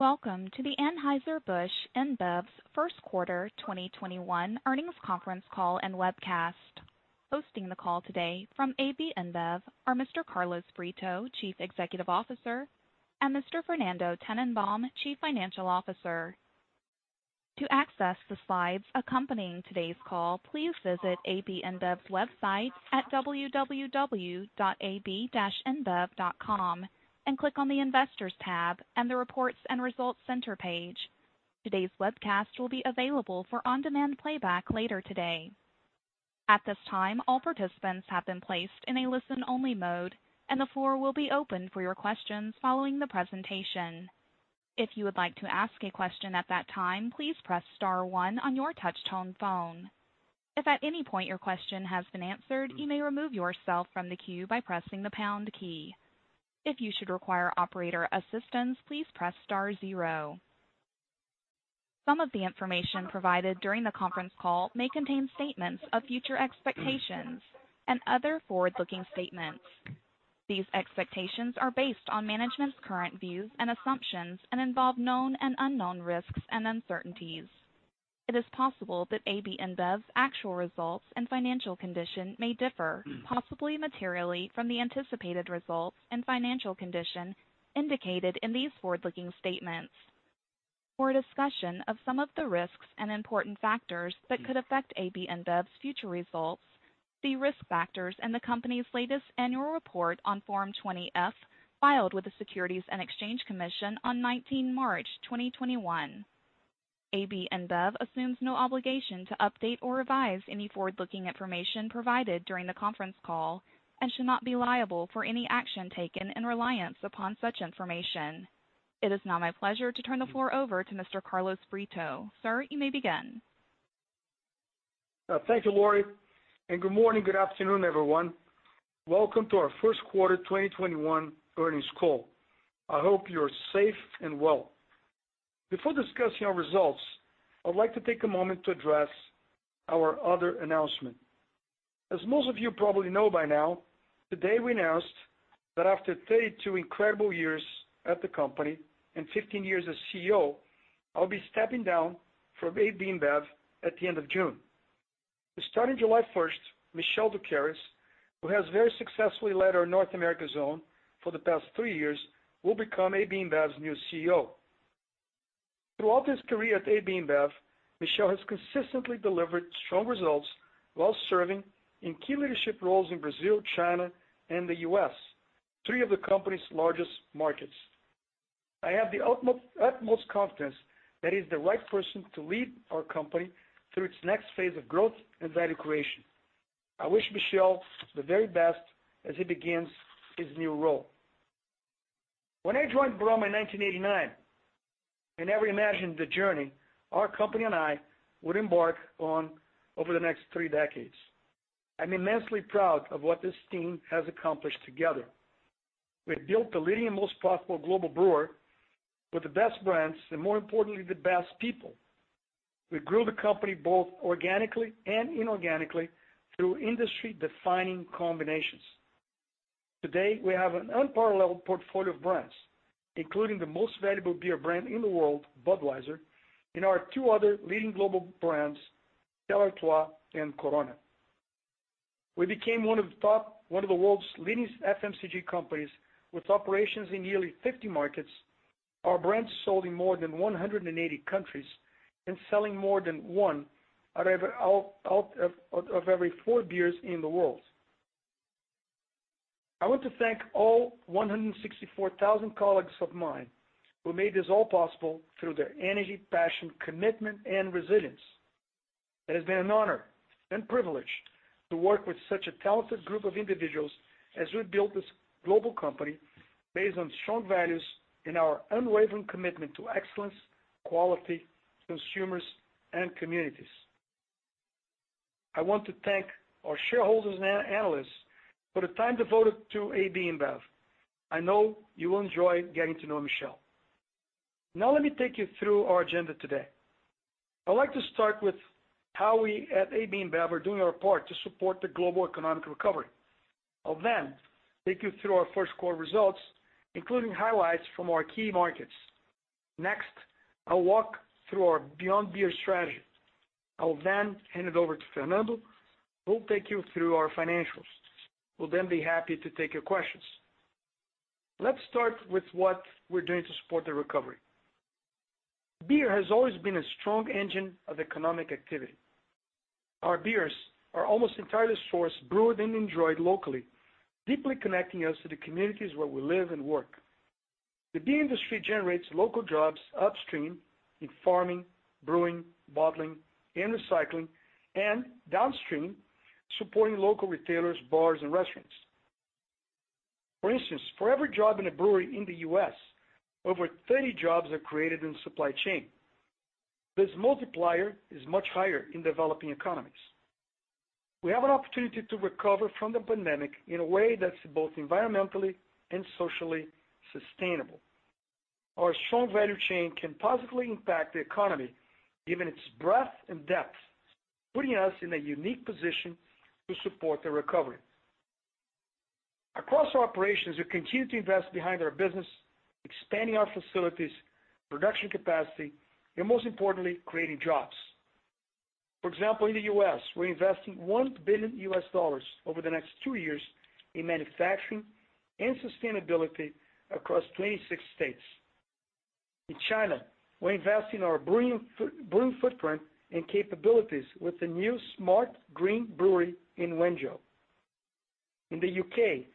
Welcome to the Anheuser-Busch InBev's first quarter 2021 earnings conference call and webcast. Hosting the call today from AB InBev are Mr. Carlos Brito, Chief Executive Officer, and Mr. Fernando Tennenbaum, Chief Financial Officer. To access the slides accompanying today's call, please visit AB InBev's website at www.ab-inbev.com and click on the investors tab and the reports and results center page. Today's webcast will be available for on-demand playback later today. At this time, all participants have been placed in a listen-only mode, and the floor will be open for your questions following the presentation. If you would like to ask a question at that time, please press star one on your touch-tone phone. If at any point your question has been answered, you may remove yourself from the queue by pressing the pound key. If you should require operator assistance, please press star zero. Some of the information provided during the conference call may contain statements of future expectations and other forward-looking statements. These expectations are based on management's current views and assumptions and involve known and unknown risks and uncertainties. It is possible that AB InBev's actual results and financial condition may differ, possibly materially, from the anticipated results and financial condition indicated in these forward-looking statements. For a discussion of some of the risks and important factors that could affect AB InBev's future results, see risk factors in the company's latest annual report on Form 20-F, filed with the Securities and Exchange Commission on 19 March 2021. AB InBev assumes no obligation to update or revise any forward-looking information provided during the conference call and should not be liable for any action taken in reliance upon such information. It is now my pleasure to turn the floor over to Mr. Carlos Brito. Sir, you may begin. Thank you, Lory, good morning, good afternoon, everyone. Welcome to our first quarter 2021 earnings call. I hope you're safe and well. Before discussing our results, I would like to take a moment to address our other announcement. As most of you probably know by now, today we announced that after 32 incredible years at the company and 15 years as CEO, I'll be stepping down from AB InBev at the end of June. Starting July 1st, Michel Doukeris, who has very successfully led our North America Zone for the past three years, will become AB InBev's new CEO. Throughout his career at AB InBev, Michel has consistently delivered strong results while serving in key leadership roles in Brazil, China, and the U.S., three of the company's largest markets. I have the utmost confidence that he's the right person to lead our company through its next phase of growth and value creation. I wish Michel the very best as he begins his new role. When I joined Brahma in 1989, I never imagined the journey our company and I would embark on over the next three decades. I'm immensely proud of what this team has accomplished together. We've built the leading and most profitable global brewer with the best brands, and more importantly, the best people. We grew the company both organically and inorganically through industry-defining combinations. Today, we have an unparalleled portfolio of brands, including the most valuable beer brand in the world, Budweiser, and our two other leading global brands, Stella Artois and Corona. We became one of the world's leading FMCG companies with operations in nearly 50 markets, our brands sold in more than 180 countries, and selling more than one of every four beers in the world. I want to thank all 164,000 colleagues of mine who made this all possible through their energy, passion, commitment, and resilience. It has been an honor and privilege to work with such a talented group of individuals as we built this global company based on strong values and our unwavering commitment to excellence, quality, consumers, and communities. I want to thank our shareholders and analysts for the time devoted to AB InBev. I know you will enjoy getting to know Michel. Now let me take you through our agenda today. I'd like to start with how we at AB InBev are doing our part to support the global economic recovery. I'll then take you through our first quarter results, including highlights from our key markets. Next, I'll walk through our Beyond Beer strategy. I will then hand it over to Fernando, who will take you through our financials. We'll then be happy to take your questions. Let's start with what we're doing to support the recovery. Beer has always been a strong engine of economic activity. Our beers are almost entirely sourced, brewed, and enjoyed locally, deeply connecting us to the communities where we live and work. The beer industry generates local jobs upstream in farming, brewing, bottling, and recycling, and downstream, supporting local retailers, bars, and restaurants. For instance, for every one job in a brewery in the U.S. over 30 jobs are created in supply chain. This multiplier is much higher in developing economies. We have an opportunity to recover from the pandemic in a way that's both environmentally and socially sustainable. Our strong value chain can positively impact the economy, given its breadth and depth, putting us in a unique position to support the recovery. Across our operations, we continue to invest behind our business, expanding our facilities, production capacity, and most importantly, creating jobs. For example, in the U.S. we're investing $1 billion over the next two years in manufacturing and sustainability across 26 states. In China, we're investing in our brewing footprint and capabilities with the new smart green brewery in Wenzhou. In the U.K.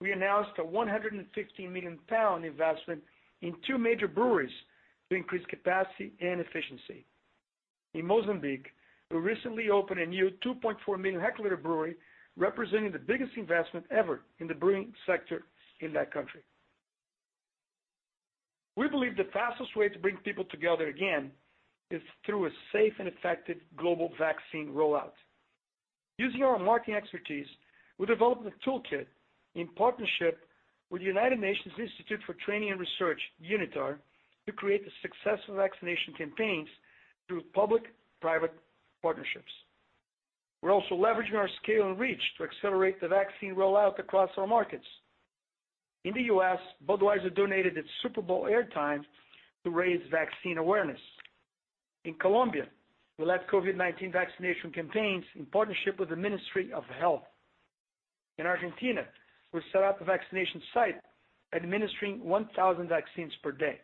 we announced a 116 million pound investment in two major breweries to increase capacity and efficiency. In Mozambique, we recently opened a new 2.4 million hectoliter brewery, representing the biggest investment ever in the brewing sector in that country. We believe the fastest way to bring people together again is through a safe and effective global vaccine rollout. Using our marketing expertise, we developed a toolkit in partnership with the United Nations Institute for Training and Research, UNITAR, to create successful vaccination campaigns through public-private partnerships. We're also leveraging our scale and reach to accelerate the vaccine rollout across our markets. In the U.S. Budweiser donated its Super Bowl air time to raise vaccine awareness. In Colombia, we led COVID-19 vaccination campaigns in partnership with the Ministry of Health. In Argentina, we set up a vaccination site administering 1,000 vaccines per day.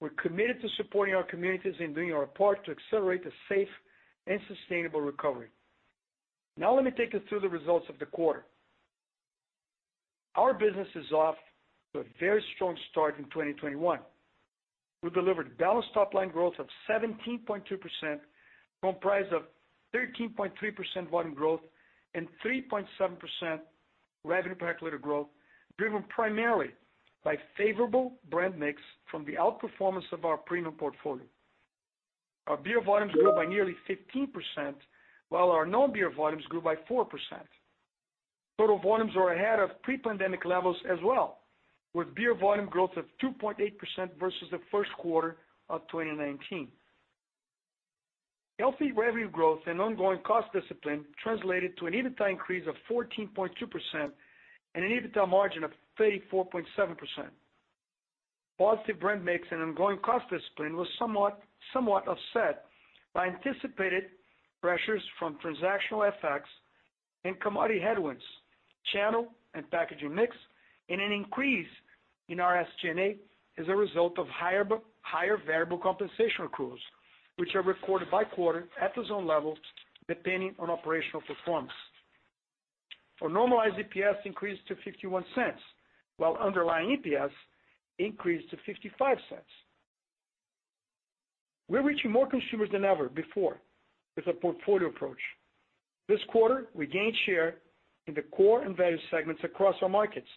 We're committed to supporting our communities and doing our part to accelerate the safe and sustainable recovery. Let me take you through the results of the quarter. Our business is off to a very strong start in 2021. We delivered balanced top line growth of 17.2%, comprised of 13.3% volume growth and 3.7% revenue per hectoliter growth, driven primarily by favorable brand mix from the outperformance of our premium portfolio. Our beer volumes grew by nearly 15%, while our non-beer volumes grew by 4%. Total volumes are ahead of pre-pandemic levels as well, with beer volume growth of 2.8% versus the first quarter of 2019. Healthy revenue growth and ongoing cost discipline translated to an EBITDA increase of 14.2% and an EBITDA margin of 34.7%. Positive brand mix and ongoing cost discipline was somewhat offset by anticipated pressures from transactional FX and commodity headwinds, channel and packaging mix, and an increase in our SG&A as a result of higher variable compensation accruals, which are recorded by quarter at the zone level depending on operational performance. Our normalized EPS increased to $0.51, while underlying EPS increased to $0.55. We're reaching more consumers than ever before with a portfolio approach. This quarter, we gained share in the core and value segments across our markets.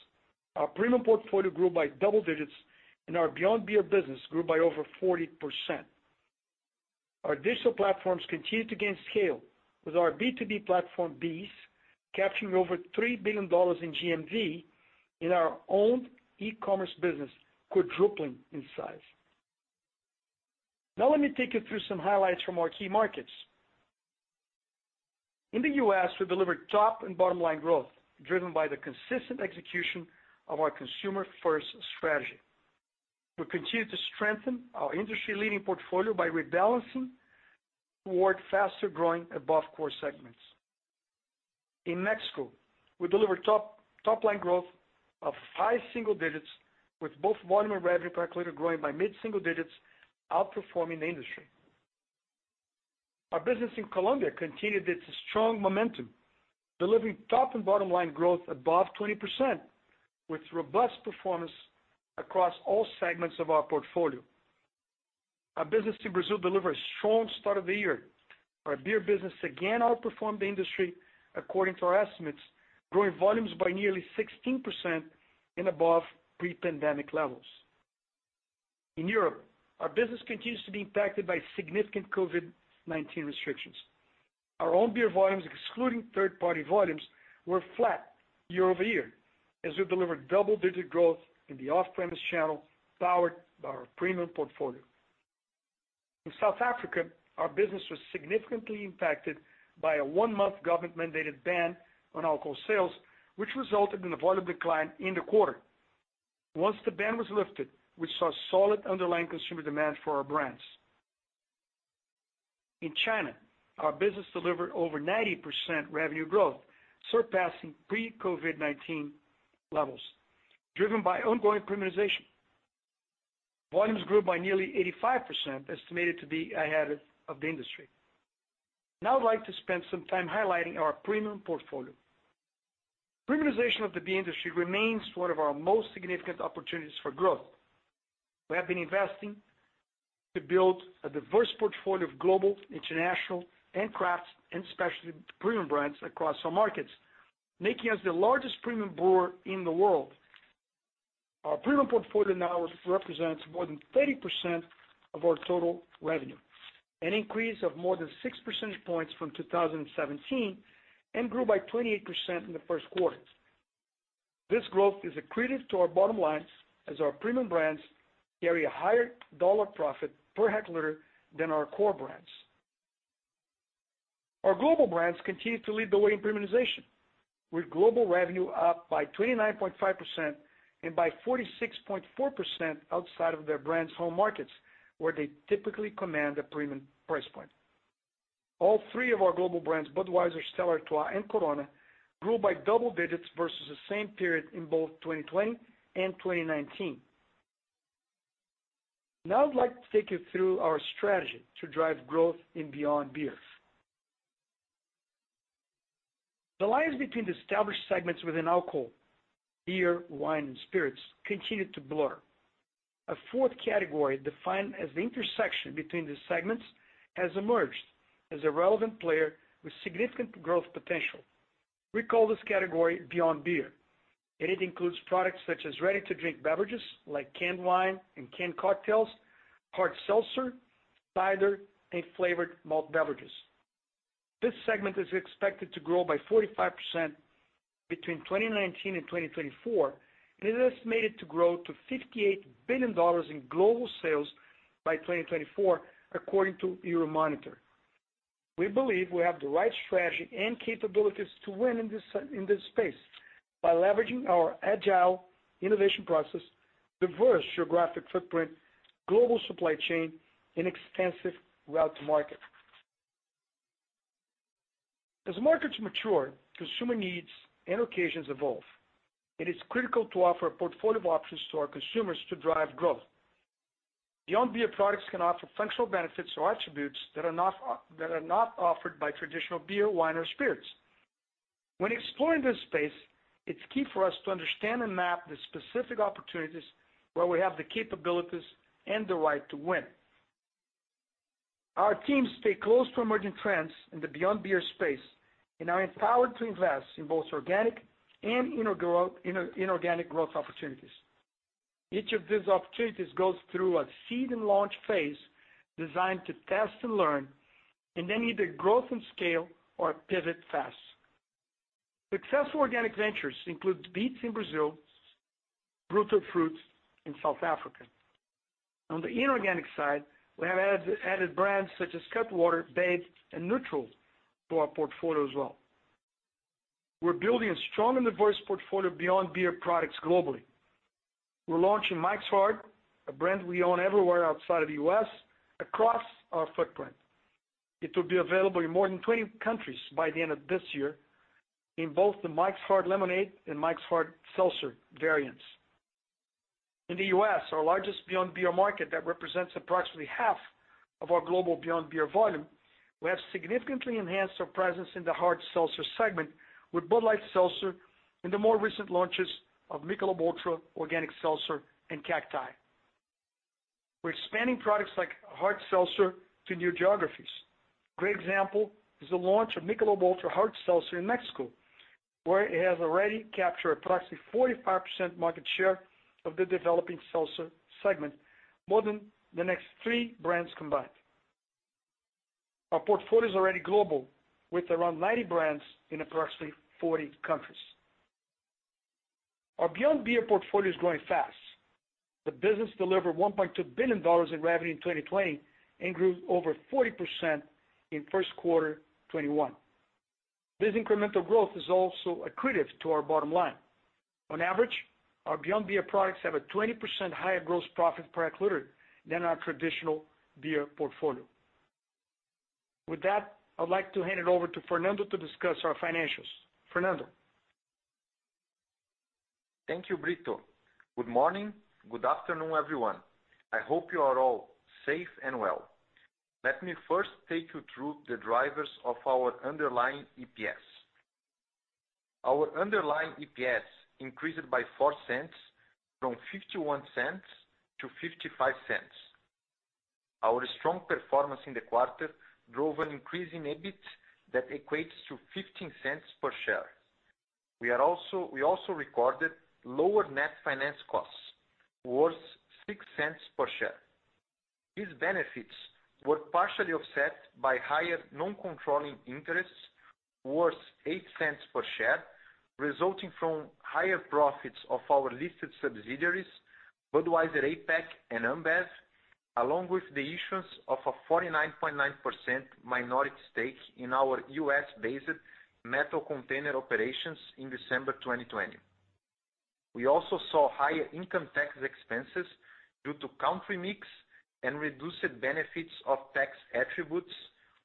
Our premium portfolio grew by double digits, and our beyond beer business grew by over 40%. Our digital platforms continued to gain scale with our B2B platform, BEES, capturing over $3 billion in GMV in our own e-commerce business, quadrupling in size. Let me take you through some highlights from our key markets. In the U.S. we delivered top and bottom line growth, driven by the consistent execution of our consumer-first strategy. We continue to strengthen our industry-leading portfolio by rebalancing toward faster-growing above core segments. In Mexico, we delivered top line growth of high single digits, with both volume and revenue per hectoliter growing by mid-single digits, outperforming the industry. Our business in Colombia continued its strong momentum, delivering top and bottom line growth above 20%, with robust performance across all segments of our portfolio. Our business in Brazil delivered a strong start of the year. Our beer business again outperformed the industry, according to our estimates, growing volumes by nearly 16% and above pre-pandemic levels. In Europe, our business continues to be impacted by significant COVID-19 restrictions. Our own beer volumes, excluding third-party volumes, were flat year over year as we delivered double-digit growth in the off-premise channel powered by our premium portfolio. In South Africa, our business was significantly impacted by a one-month government-mandated ban on alcohol sales, which resulted in a volume decline in the quarter. Once the ban was lifted, we saw solid underlying consumer demand for our brands. In China, our business delivered over 90% revenue growth, surpassing pre-COVID-19 levels, driven by ongoing premiumization. Volumes grew by nearly 85%, estimated to be ahead of the industry. Now I'd like to spend some time highlighting our premium portfolio. Premiumization of the beer industry remains one of our most significant opportunities for growth. We have been investing to build a diverse portfolio of global, international, and craft, and specialty premium brands across our markets, making us the largest premium brewer in the world. Our premium portfolio now represents more than 30% of our total revenue, an increase of more than 6% points from 2017, and grew by 28% in the first quarter. This growth is accretive to our bottom lines as our premium brands carry a higher dollar profit per hectoliter than our core brands. Our global brands continue to lead the way in premiumization, with global revenue up by 29.5% and by 46.4% outside of their brands' home markets, where they typically command a premium price point. All three of our global brands, Budweiser, Stella Artois, and Corona, grew by double digits versus the same period in both 2020 and 2019. I'd like to take you through our strategy to drive growth in beyond beer. The lines between the established segments within alcohol, beer, wine, and spirits, continue to blur. A fourth category, defined as the intersection between the segments, has emerged as a relevant player with significant growth potential. We call this category beyond beer, and it includes products such as ready-to-drink beverages like canned wine and canned cocktails, hard seltzer, cider, and flavored malt beverages. This segment is expected to grow by 45% between 2019 and 2024, and is estimated to grow to $58 billion in global sales by 2024, according to Euromonitor. We believe we have the right strategy and capabilities to win in this space by leveraging our agile innovation process, diverse geographic footprint, global supply chain, and extensive route to market. As markets mature, consumer needs and occasions evolve. It is critical to offer a portfolio of options to our consumers to drive growth. Beyond beer products can offer functional benefits or attributes that are not offered by traditional beer, wine, or spirits. When exploring this space, it's key for us to understand and map the specific opportunities where we have the capabilities and the right to win. Our teams stay close to emerging trends in the beyond beer space and are empowered to invest in both organic and inorganic growth opportunities. Each of these opportunities goes through a seed and launch phase designed to test and learn, and then either grow and scale or pivot fast. Successful organic ventures include Beats in Brazil, Rooted Fruits in South Africa. On the inorganic side, we have added brands such as Cutwater, Babe, and Nütrl to our portfolio as well. We're building a strong and diverse portfolio of beyond beer products globally. We're launching Mike's Hard, a brand we own everywhere outside of the U.S. across our footprint. It will be available in more than 20 countries by the end of this year in both the Mike's Hard Lemonade and Mike's Hard Seltzer variants. In the U.S., our largest beyond beer market that represents approximately half of our global beyond beer volume, we have significantly enhanced our presence in the hard seltzer segment with Bud Light Seltzer and the more recent launches of Michelob ULTRA Organic Seltzer and CACTI. We're expanding products like hard seltzer to new geographies. Great example is the launch of Michelob ULTRA Hard Seltzer in Mexico, where it has already captured approximately 45% market share of the developing seltzer segment, more than the next three brands combined. Our portfolio is already global, with around 90 brands in approximately 40 countries. Our beyond beer portfolio is growing fast. The business delivered $1.2 billion in revenue in 2020 and grew over 40% in first quarter 2021. This incremental growth is also accretive to our bottom line. On average, our beyond beer products have a 20% higher gross profit per hectolitre than our traditional beer portfolio. With that, I would like to hand it over to Fernando to discuss our financials. Fernando? Thank you, Brito. Good morning. Good afternoon, everyone. I hope you are all safe and well. Let me first take you through the drivers of our underlying EPS. Our underlying EPS increased by $0.04 from $0.51 to $0.55. Our strong performance in the quarter drove an increase in EBIT that equates to $0.15 per share. We also recorded lower net finance costs worth $0.06 per share. These benefits were partially offset by higher non-controlling interests worth $0.08 per share, resulting from higher profits of our listed subsidiaries, Budweiser APAC and Ambev, along with the issuance of a 49.9% minority stake in our U.S. based metal container operations in December 2020. We also saw higher income tax expenses due to country mix and reduced benefits of tax attributes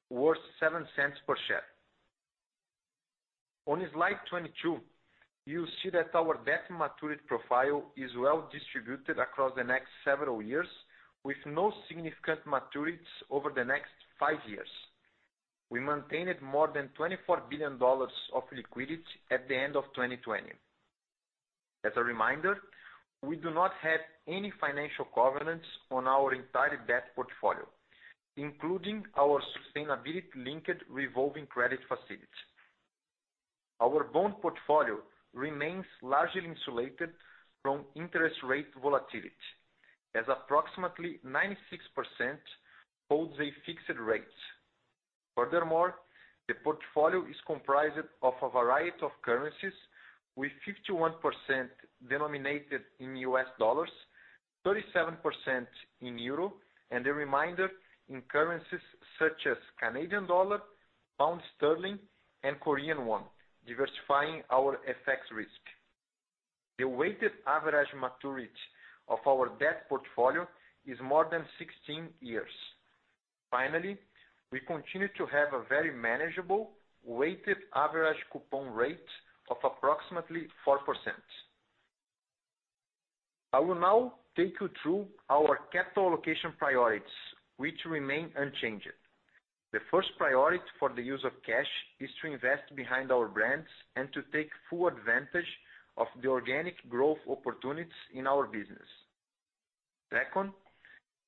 worth $0.07 per share. On slide 22, you see that our debt maturity profile is well distributed across the next several years, with no significant maturities over the next five years. We maintained more than $24 billion of liquidity at the end of 2020. As a reminder, we do not have any financial covenants on our entire debt portfolio, including our sustainability-linked revolving credit facility. Our bond portfolio remains largely insulated from interest rate volatility, as approximately 96% holds a fixed rate. The portfolio is comprised of a variety of currencies, with 51% denominated in US dollars, 37% in euro, and the remainder in currencies such as Canadian dollar, pound sterling, and Korean won, diversifying our FX risk. The weighted average maturity of our debt portfolio is more than 16 years. We continue to have a very manageable weighted average coupon rate of approximately 4%. I will now take you through our capital allocation priorities, which remain unchanged. The first priority for the use of cash is to invest behind our brands and to take full advantage of the organic growth opportunities in our business. Second,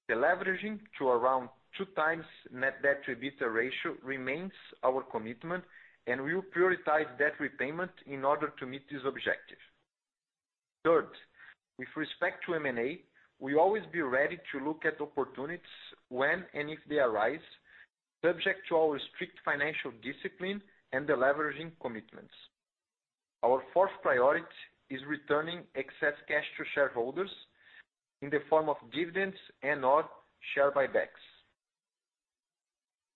the leveraging to around two times net debt to EBITDA ratio remains our commitment, and we will prioritize debt repayment in order to meet this objective. Third, with respect to M&A, we always be ready to look at opportunities when and if they arise, subject to our strict financial discipline and the leveraging commitments. Our fourth priority is returning excess cash to shareholders in the form of dividends and/or share buybacks.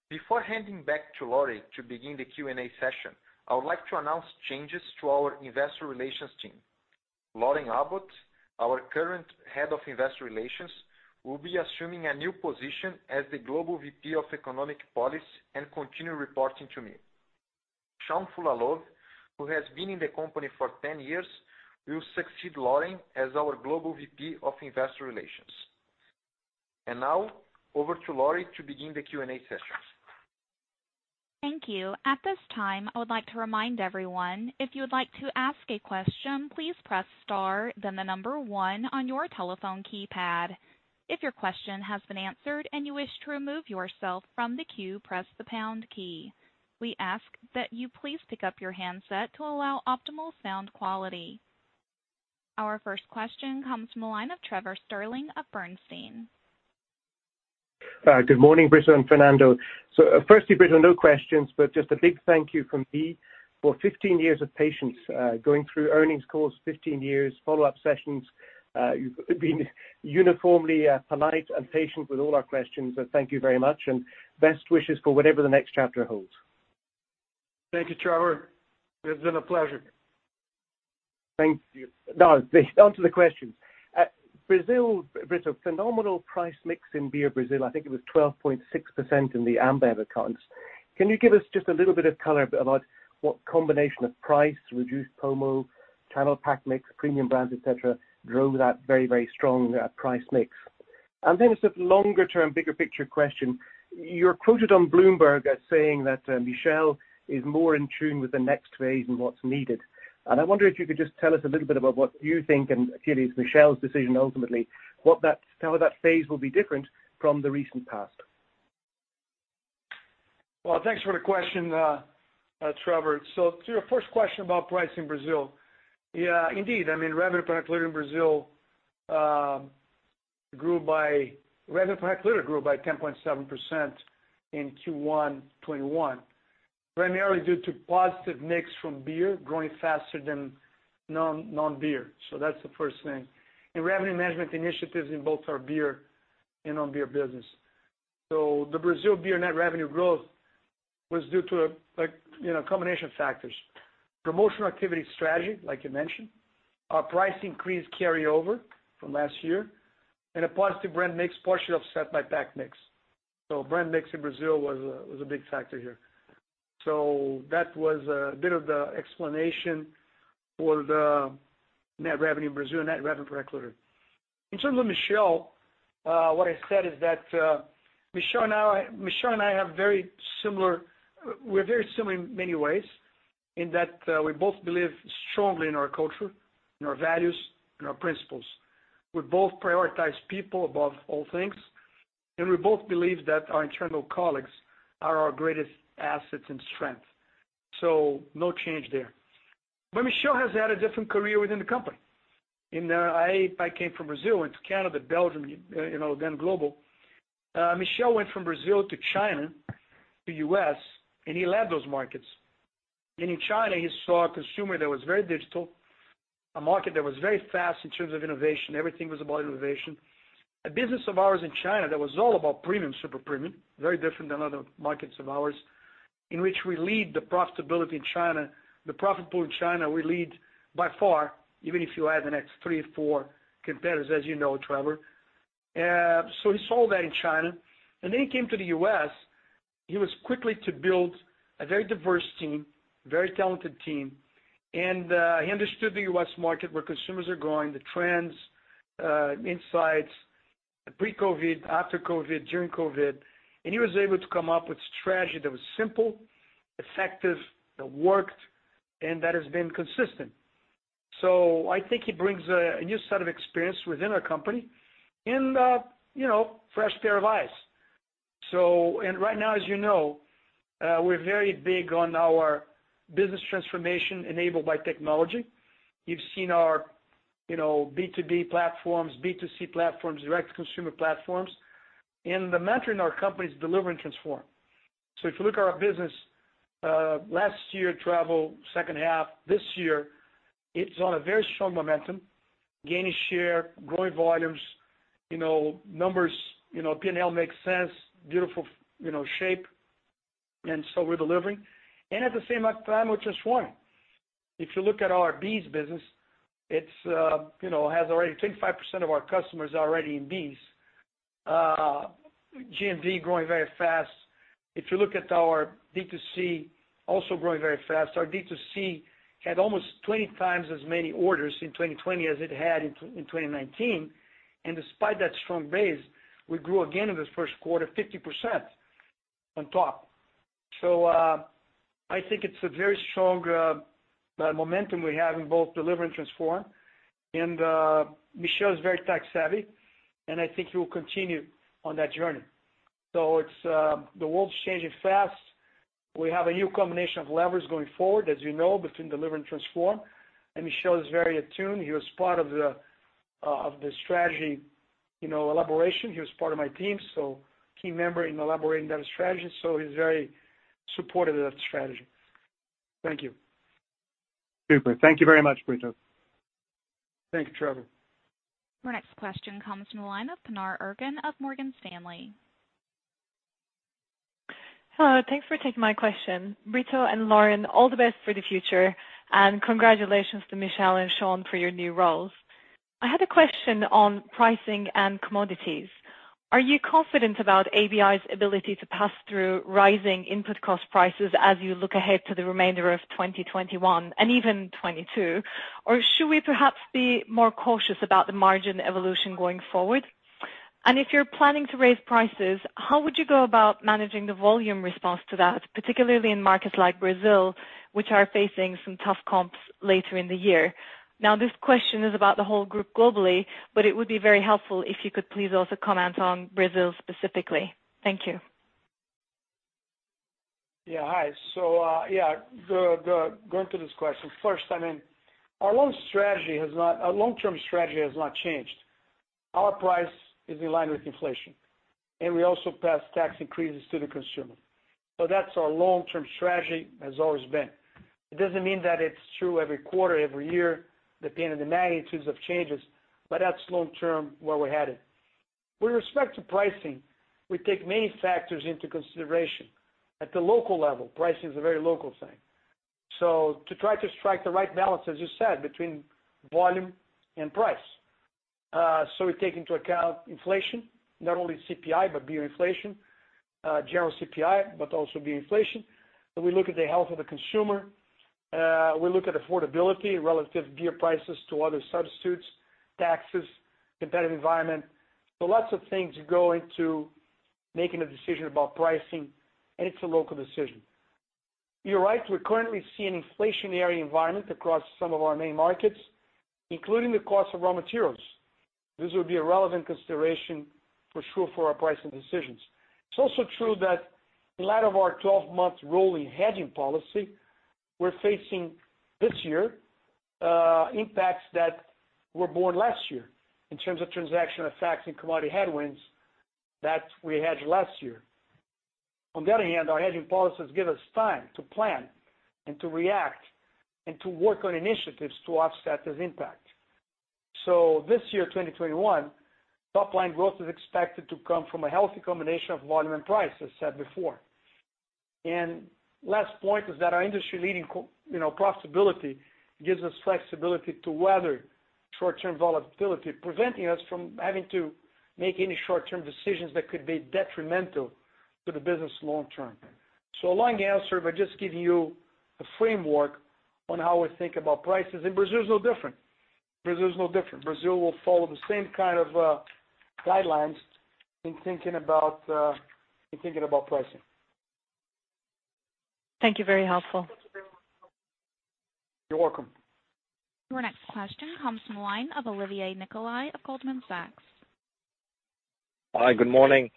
Before handing back to Lauren Abbott to begin the Q&A session, I would like to announce changes to our investor relations team. Lauren Abbott, our current head of investor relations, will be assuming a new position as the Global VP of Economic Policy and continue reporting to me. Shaun Fullalove, who has been in the company for 10 years, will succeed Lauren as our Global VP of Investor Relations. Now over to Lauren to begin the Q&A sessions. Thank you. At this time, I would like to remind everyone, if you would like to ask a question, please press star, then the number 1 on your telephone keypad. If your question has been answered and you wish to remove yourself from the queue, press the pound key. We ask that you please pick up your handset to allow optimal sound quality. Our first question comes from the line of Trevor Stirling of Bernstein. Good morning, Brito and Fernando. Firstly, Brito, no questions, but just a big thank you from me for 15 years of patience, going through earnings calls 15 years, follow-up sessions. You've been uniformly polite and patient with all our questions. Thank you, very much and best wishes, for whatever the next chapter holds. Thank you, Trevor. It's been a pleasure. Thank you. Now on to the questions. Carlos Brito, phenomenal price mix in beer Brazil, I think it was 12.6% in the Ambev accounts. Can you give us just a little bit of color about what combination of price, reduced promo, channel pack mix, premium brands, et cetera, drove that very, very strong price mix? Then as a longer-term, bigger picture question, you're quoted on Bloomberg as saying that Michel is more in tune with the next phase and what's needed. I wonder if you could just tell us a little bit about what you think, and clearly it's Michel's decision ultimately, how that phase will be different from the recent past. Well, thanks for the question, Trevor. To your first question about price in Brazil. Yeah, indeed, revenue per hectoliter in Brazil grew by 10.7% in Q1 2021, primarily due to positive mix from beer growing faster than non-beer. That's the first thing. Revenue management initiatives in both our beer and non-beer business. The Brazil beer net revenue growth was due to a combination of factors. Promotional activity strategy, like you mentioned, our price increase carryover from last year, and a positive brand mix partially offset by pack mix. Brand mix in Brazil was a big factor here. That was a bit of the explanation for the net revenue in Brazil, net revenue per hectoliter. In terms of Michel, what I said is that Michel and I, we're very similar in many ways in that we both believe strongly in our culture, in our values, in our principles. We both prioritize people above all things, and we both believe that our internal colleagues are our greatest assets and strengths. No change there. Michel has had a different career within the company. I came from Brazil, went to Canada, Belgium, then global. Michel went from Brazil to China to U.S. and he led those markets. In China, he saw a consumer that was very digital, a market that was very fast in terms of innovation. Everything was about innovation. A business of ours in China that was all about premium, super premium, very different than other markets of ours, in which we lead the profitability in China. The profit pool in China, we lead by far, even if you add the next three or four competitors, as you know, Trevor Stirling. He saw that in China, then he came to the U.S. He was quickly to build a very diverse team. Very talented team, and he understood the U.S. market, where consumers are going, the trends, insights, pre-COVID, after COVID, during COVID. He was able to come up with strategy that was simple, effective, that worked, and that has been consistent. I think he brings a new set of experience within our company and a fresh pair of eyes. Right now, as you know, we're very big on our business transformation enabled by technology. You've seen our B2B platforms, B2C platforms, direct-to-consumer platforms. The mantra in our company is deliver and transform. If you look at our business, last year travel, second half this year, it's on a very strong momentum, gaining share, growing volumes, numbers, P&L makes sense, beautiful shape. We're delivering. At the same time, we're just one. If you look at our BEES business, 25% of our customers are already in BEES. GMV growing very fast. If you look at our D2C, also growing very fast. Our D2C had almost 20x as many orders in 2020 as it had in 2019. Despite that strong base, we grew again in this first quarter, 50% on top. I think it's a very strong momentum we have in both deliver and transform. Michel is very tech-savvy, and I think he will continue on that journey. The world's changing fast. We have a new combination of levers going forward, as you know, between deliver and transform. Michel is very attuned. He was part of the strategy elaboration. He was part of my team, key member in elaborating that strategy. He's very supportive of the strategy. Thank you. Super. Thank you very much, Brito. Thank you, Trevor. Our next question comes from the line of Pinar Ergun of Morgan Stanley. Hello, thanks for taking my question. Brito and Lauren, all the best for the future, and congratulations to Michel and Shaun for your new roles. I had a question on pricing and commodities. Are you confident about ABI's ability to pass through rising input cost prices as you look ahead to the remainder of 2021 and even 2022? Should we perhaps be more cautious about the margin evolution going forward? If you're planning to raise prices, how would you go about managing the volume response to that, particularly in markets like Brazil, which are facing some tough comps later in the year? Now, this question is about the whole group globally, but it would be very helpful if you could please also comment on Brazil specifically. Thank you. Yeah. Hi. Going through this question. First, our long-term strategy has not changed. Our price is in line with inflation, and we also pass tax increases to the consumer. That's our long-term strategy, has always been. It doesn't mean that it's true every quarter, every year, depending on the magnitudes of changes, but that's long-term where we're headed. With respect to pricing, we take many factors into consideration. At the local level, pricing is a very local thing. To try to strike the right balance, as you said, between volume and price. We take into account inflation, not only CPI, but beer inflation, general CPI, but also beer inflation. We look at the health of the consumer. We look at affordability, relative beer prices to other substitutes, taxes, competitive environment. Lots of things go into making a decision about pricing, and it's a local decision. You're right, we currently see an inflationary environment across some of our main markets, including the cost of raw materials. This would be a relevant consideration for sure for our pricing decisions. It's also true that in light of our 12-month rolling hedging policy, we're facing this year impacts that were born last year in terms of transaction effects and commodity headwinds that we had last year. On the other hand, our hedging policies give us time to plan and to react and to work on initiatives to offset this impact. This year, 2021, top-line growth is expected to come from a healthy combination of volume and price, as said before. Last point is that our industry-leading profitability gives us flexibility to weather short-term volatility, preventing us from having to make any short-term decisions that could be detrimental to the business long-term. Long answer but just giving you a framework on how we think about prices. Brazil is no different. Brazil will follow the same kind of guidelines in thinking about pricing. Thank you. Very helpful. You're welcome. Your next question comes from the line of Olivier Nicolai of Goldman Sachs. Hi, good morning.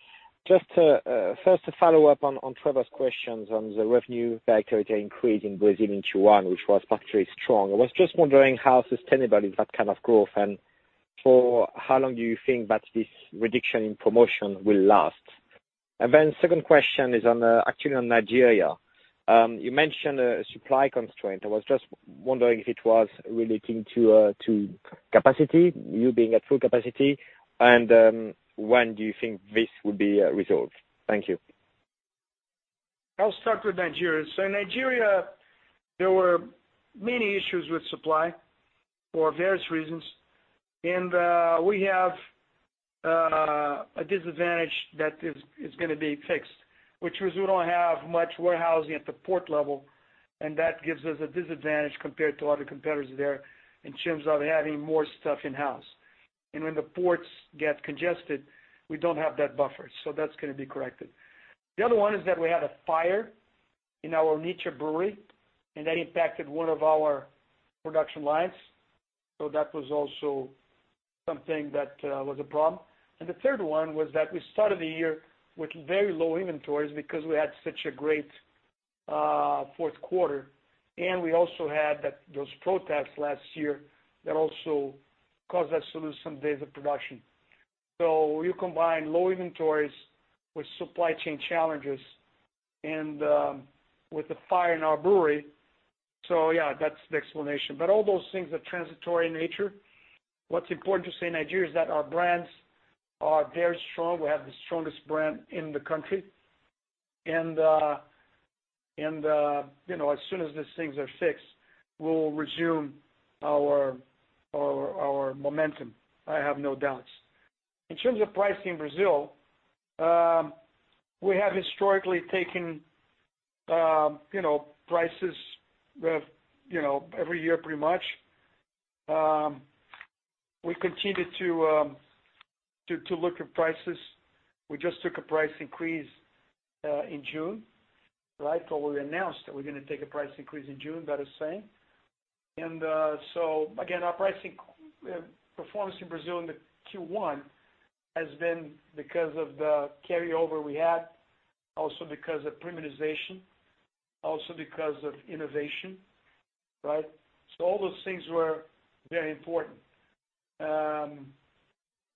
Just first a follow-up on Trevor's questions on the revenue factor increase in Brazil in Q1, which was particularly strong. I was just wondering how sustainable is that kind of growth, and for how long do you think that this reduction in promotion will last? Second question is actually on Nigeria. You mentioned a supply constraint. I was just wondering if it was relating to capacity, you being at full capacity, and when do you think this would be resolved? Thank you. I'll start with Nigeria. Nigeria, there were many issues with supply for various reasons, and we have a disadvantage that is going to be fixed, which was we don't have much warehousing at the port level, and that gives us a disadvantage compared to other competitors there in terms of having more stuff in-house. When the ports get congested, we don't have that buffer. That's going to be corrected. The other one is that we had a fire in our Onitsha brewery, and that impacted one of our production lines. That was also something that was a problem. The third one was that we started the year with very low inventories because we had such a great fourth quarter, and we also had those protests last year that also caused us to lose some days of production. You combine low inventories with supply chain challenges and with the fire in our brewery. Yeah, that's the explanation. All those things are transitory in nature. What's important to say in Nigeria is that our brands are very strong. We have the strongest brand in the country. As soon as these things are fixed, we'll resume our momentum. I have no doubts. In terms of pricing in Brazil, we have historically taken prices every year pretty much. We continue to look at prices. We just took a price increase in June, right? We announced that we're going to take a price increase in June, that is saying. Again, our pricing performance in Brazil in the Q1 has been because of the carryover we had, also because of premiumization, also because of innovation. Right. All those things were very important.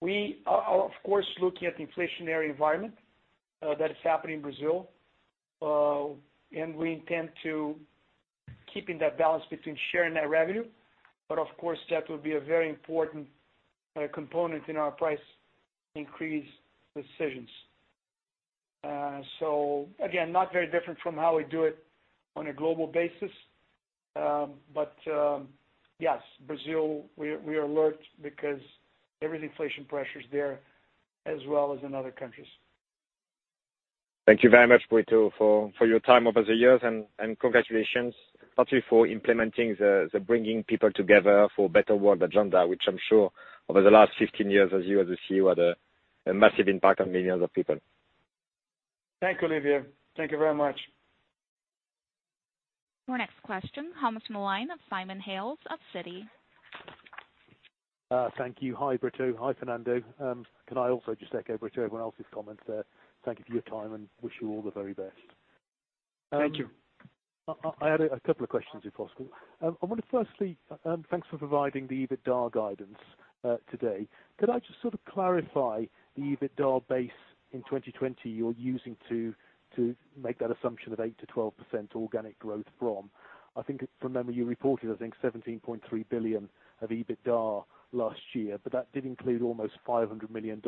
We are, of course, looking at the inflationary environment that is happening in Brazil. We intend to keeping that balance between sharing that revenue. Of course, that will be a very important component in our price increase decisions. Again, not very different from how we do it on a global basis. Yes, Brazil, we are alert because there is inflation pressures there as well as in other countries. Thank you very much, Brito, for your time over the years. Congratulations, partly for implementing the bringing people together for better world agenda, which I am sure over the last 15 years as you as a CEO, had a massive impact on millions of people. Thank you, Olivier. Thank you very much. Our next question comes from the line of Simon Hales of Citi. Thank you. Hi, Brito. Hi, Fernando. Can I also just echo Brito, everyone else's comments there. Thank you for your time and wish you all the very best. Thank you. I had a couple of questions, if possible. I wonder, firstly, thanks for providing the EBITDA guidance today. Could I just sort of clarify the EBITDA base in 2020 you're using to make that assumption of 8%-12% organic growth from? I think, from memory, you reported, I think 17.3 billion of EBITDA last year, but that did include almost $500 million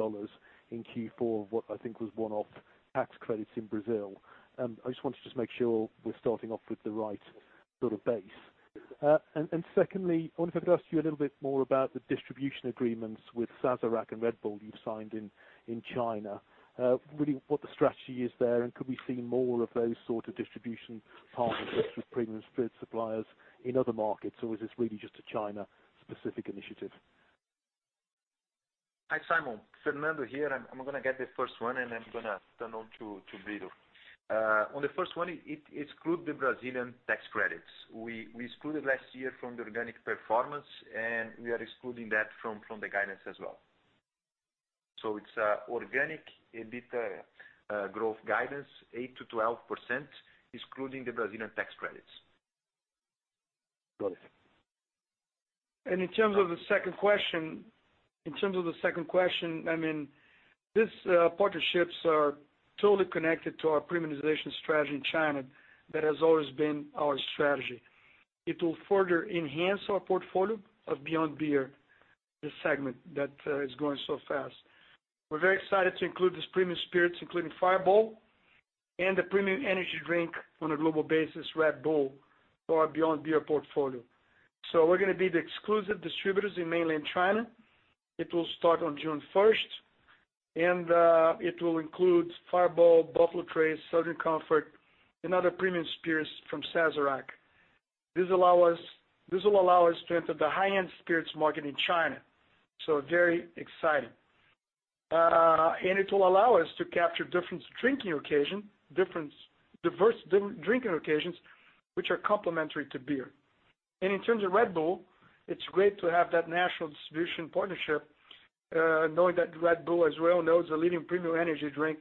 in Q4 of what I think was one-off tax credits in Brazil. I just want to make sure we're starting off with the right sort of base. Secondly, I wonder if I could ask you a little bit more about the distribution agreements with Sazerac and Red Bull you've signed in China, really what the strategy is there, and could we see more of those sort of distribution partners with premium spirit suppliers in other markets, or is this really just a China specific initiative? Hi, Simon, Fernando here. I'm going to get the first one, and I'm going to turn on to Brito. On the first one, it exclude the Brazilian tax credits. We excluded last year from the organic performance, and we are excluding that from the guidance as well. It's organic EBITDA growth guidance 8%-12%, excluding the Brazilian tax credits. Got it. In terms of the second question, these partnerships are totally connected to our premiumization strategy in China. That has always been our strategy. It will further enhance our portfolio of Beyond Beer, the segment that is growing so fast. We are very excited to include this premium spirits, including Fireball and the premium energy drink on a global basis, Red Bull, for our Beyond Beer portfolio. We are going to be the exclusive distributors in mainland China. It will start on June 1st. It will include Fireball, Buffalo Trace, Southern Comfort, and other premium spirits from Sazerac. This will allow us to enter the high-end spirits market in China. Very exciting. It will allow us to capture diverse drinking occasions, which are complementary to beer. In terms of Red Bull, it's great to have that national distribution partnership, knowing that Red Bull as well knows a leading premium energy drink.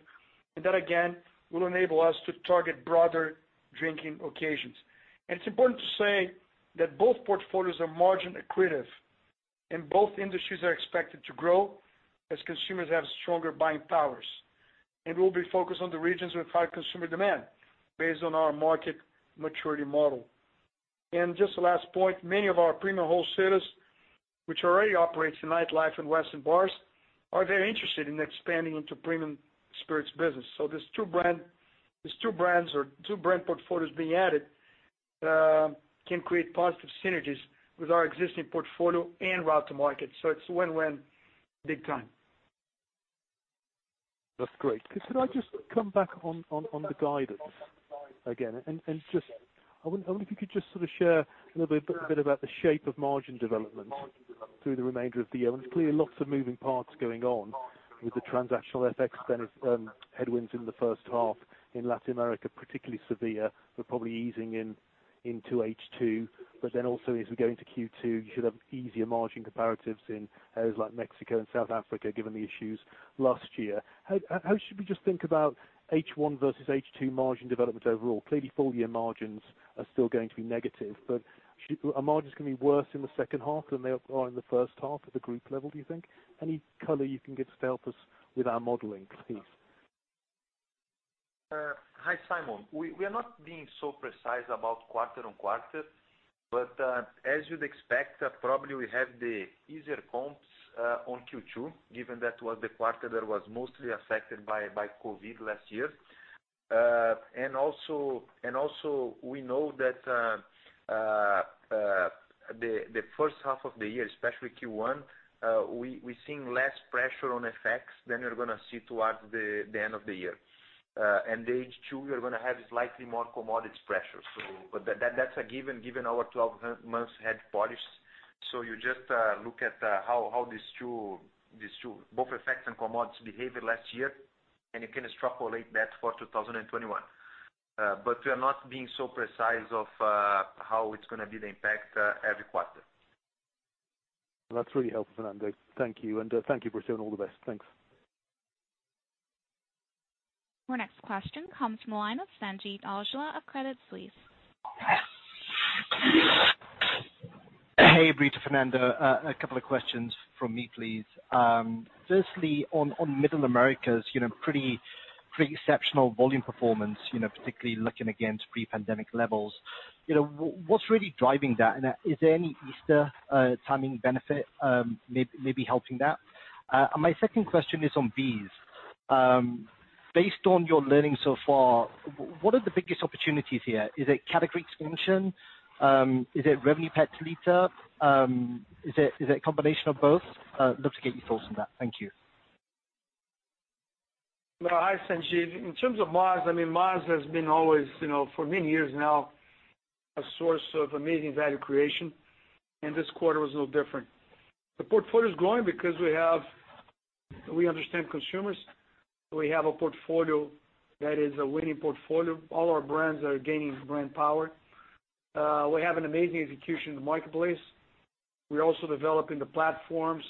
That again, will enable us to target broader drinking occasions. It's important to say that both portfolios are margin accretive and both industries are expected to grow as consumers have stronger buying powers. We'll be focused on the regions with high consumer demand based on our market maturity model. Just the last point, many of our premium wholesalers, which already operates in nightlife and western bars, are very interested in expanding into premium spirits business. These two brands or two brand portfolios being added can create positive synergies with our existing portfolio and route to market. It's win-win big time. That's great. Could I just come back on the guidance again? I wonder if you could just sort of share a little bit about the shape of margin development through the remainder of the year. There's clearly lots of moving parts going on with the transactional FX headwinds in the first half in Latin America, particularly severe, but probably easing into H2. As we go into Q2, you should have easier margin comparatives in areas like Mexico and South Africa, given the issues last year. How should we just think about H1 versus H2 margin development overall? Clearly full year margins are still going to be negative, but are margins going to be worse in the second half than they are in the first half at the group level, do you think? Any color you can give to help us with our modeling, please? Hi, Simon. We are not being so precise about quarter-on-quarter, but as you'd expect, probably we have the easier comps on Q2, given that was the quarter that was mostly affected by COVID-19 last year. Also, we know that the first half of the year, especially Q1, we're seeing less pressure on FX than you're going to see towards the end of the year. H2, we are going to have slightly more commodity pressures. That's a given our 12 months head policy. You just look at how these two, both effects and commodities behaved last year, and you can extrapolate that for 2021. We're not being so precise of how it's going to be the impact every quarter. That's really helpful, Fernando. Thank you, and thank you for sharing all the best. Thanks. Our next question comes from the line of Sanjeet Aujla of Credit Suisse. Hey, Brito, Fernando, a couple of questions from me, please. Firstly, on Middle Americas, pretty exceptional volume performance, particularly looking against pre-pandemic levels. What's really driving that, and is there any Easter timing benefit maybe helping that? My second question is on BEES. Based on your learning so far, what are the biggest opportunities here? Is it category expansion? Is it revenue per liter? Is it a combination of both? Love to get your thoughts on that. Thank you. Hi, Sanjeet. In terms of MAZ, I mean, MAZ has been always, for many years now, a source of amazing value creation, and this quarter was no different. The portfolio is growing because we understand consumers. We have a portfolio that is a winning portfolio. All our brands are gaining brand power. We have an amazing execution in the marketplace. We're also developing the platforms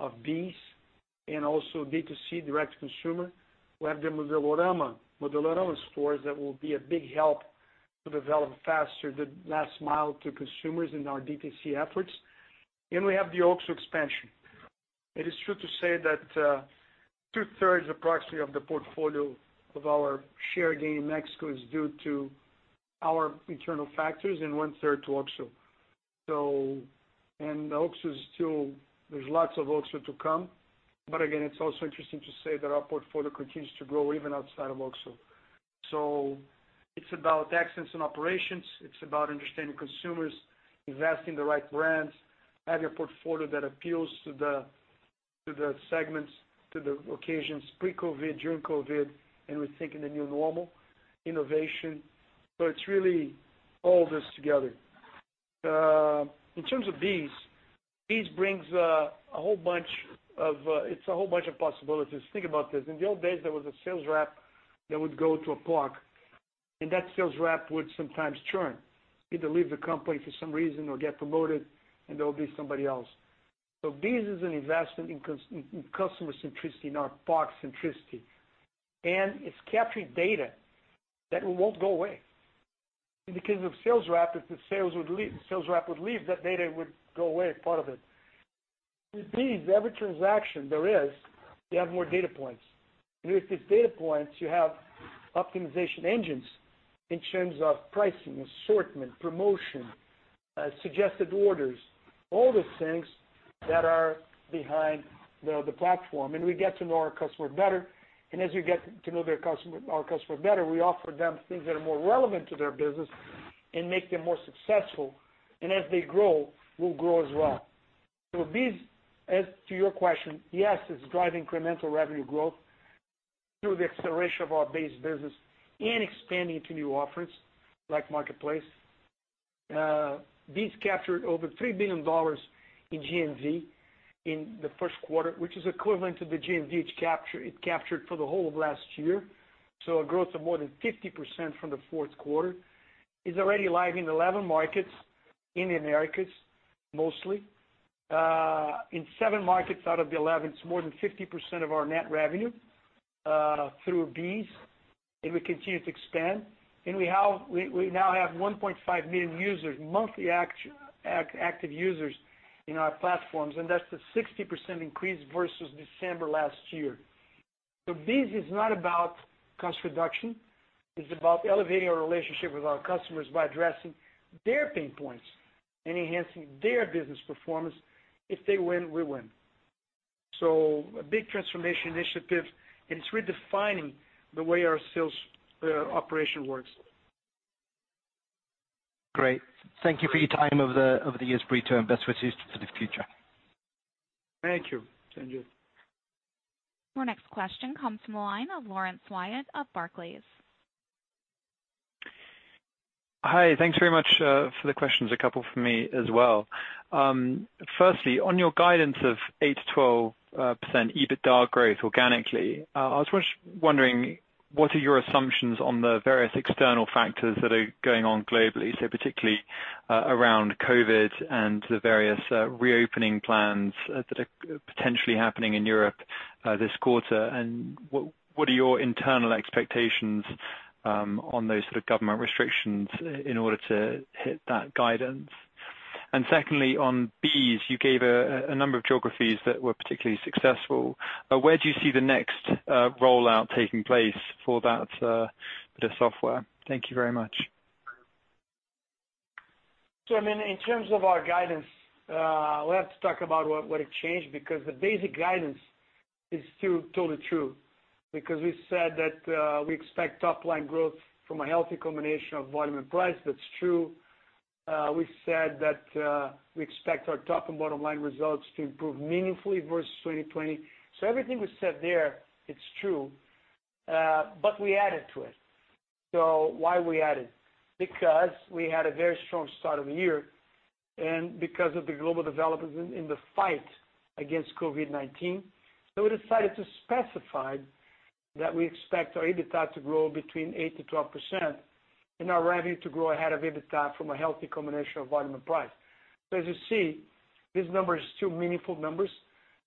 of BEES and also D2C, direct to consumer. We have the Modelorama stores that will be a big help to develop faster the last mile to consumers in our D2C efforts. We have the OXXO expansion. It is true to say that two-thirds approximately of the portfolio of our share gain in Mexico is due to our internal factors and one-third to OXXO. There's lots of OXXO to come. Again, it's also interesting to say that our portfolio continues to grow even outside of OXXO. It's about excellence in operations. It's about understanding consumers, investing in the right brands, have your portfolio that appeals to the segments, to the occasions pre-COVID, during COVID, and we think in the new normal, innovation. It's really all this together. In terms of BEES brings a whole bunch of possibilities. Think about this. In the old days, there was a sales rep that would go to a market, and that sales rep would sometimes churn, either leave the company for some reason or get promoted, and there would be somebody else. BEES is an investment in customer centricity, not market centricity. It's capturing data that won't go away. In the case of sales rep, if the sales rep would leave, that data would go away, part of it. With BEES, every transaction there is, you have more data points. With these data points, you have optimization engines in terms of pricing, assortment, promotion, suggested orders, all these things that are behind the platform. We get to know our customer better. As we get to know our customer better, we offer them things that are more relevant to their business and make them more successful. As they grow, we'll grow as well. BEES, as to your question, yes, it's driving incremental revenue growth through the acceleration of our base business and expanding to new offerings like Marketplace. BEES captured over $3 billion in GMV in the first quarter, which is equivalent to the GMV it captured for the whole of last year. A growth of more than 50% from the fourth quarter. It's already live in 11 markets in the Americas, mostly. In seven markets out of the 11, it's more than 50% of our net revenue through BEES, and we continue to expand. We now have 1.5 million users, monthly active users in our platforms, and that's the 60% increase versus December last year. BEES is not about cost reduction. It's about elevating our relationship with our customers by addressing their pain points and enhancing their business performance. If they win, we win. A big transformation initiative, and it's redefining the way our sales operation works. Great. Thank you for your time over the years, Brito, and best wishes for the future. Thank you, Sanjeet Aujla. Our next question comes from the line of Laurence Whyatt of Barclays. Hi, thanks very much for the questions. A couple from me as well. Firstly, on your guidance of 8%-12% EBITDA growth organically, I was wondering, what are your assumptions on the various external factors that are going on globally, so particularly around COVID and the various reopening plans that are potentially happening in Europe this quarter? What are your internal expectations on those sort of government restrictions in order to hit that guidance? Secondly, on BEES, you gave a number of geographies that were particularly successful. Where do you see the next rollout taking place for that software? Thank you very much. In terms of our guidance, we have to talk about what have changed, because the basic guidance is still totally true. We said that we expect top-line growth from a healthy combination of volume and price. That's true. We said that we expect our top and bottom line results to improve meaningfully versus 2020. Everything we said there, it's true, but we added to it. Why we added? We had a very strong start of the year and because of the global developments in the fight against COVID-19. We decided to specify that we expect our EBITDA to grow between 8% to 12% and our revenue to grow ahead of EBITDA from a healthy combination of volume and price. As you see, these numbers are still meaningful numbers.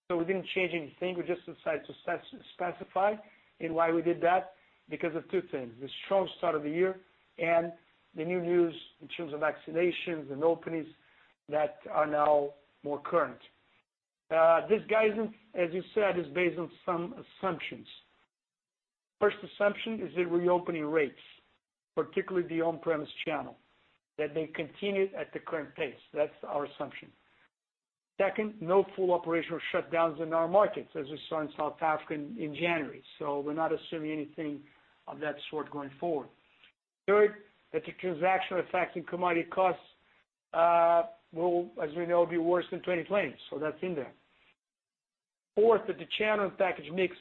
We didn't change anything. We just decided to specify. Why we did that? Of two things, the strong start of the year and the new news in terms of vaccinations and openings that are now more current. This guidance, as you said, is based on some assumptions. First assumption is the reopening rates, particularly the on-premise channel, that they continue at the current pace. That's our assumption. Second, no full operational shutdowns in our markets, as we saw in South Africa in January. We're not assuming anything of that sort going forward. Third, that the transaction affecting commodity costs will, as we know, be worse than 2020. That's in there. Fourth, that the channel and package mix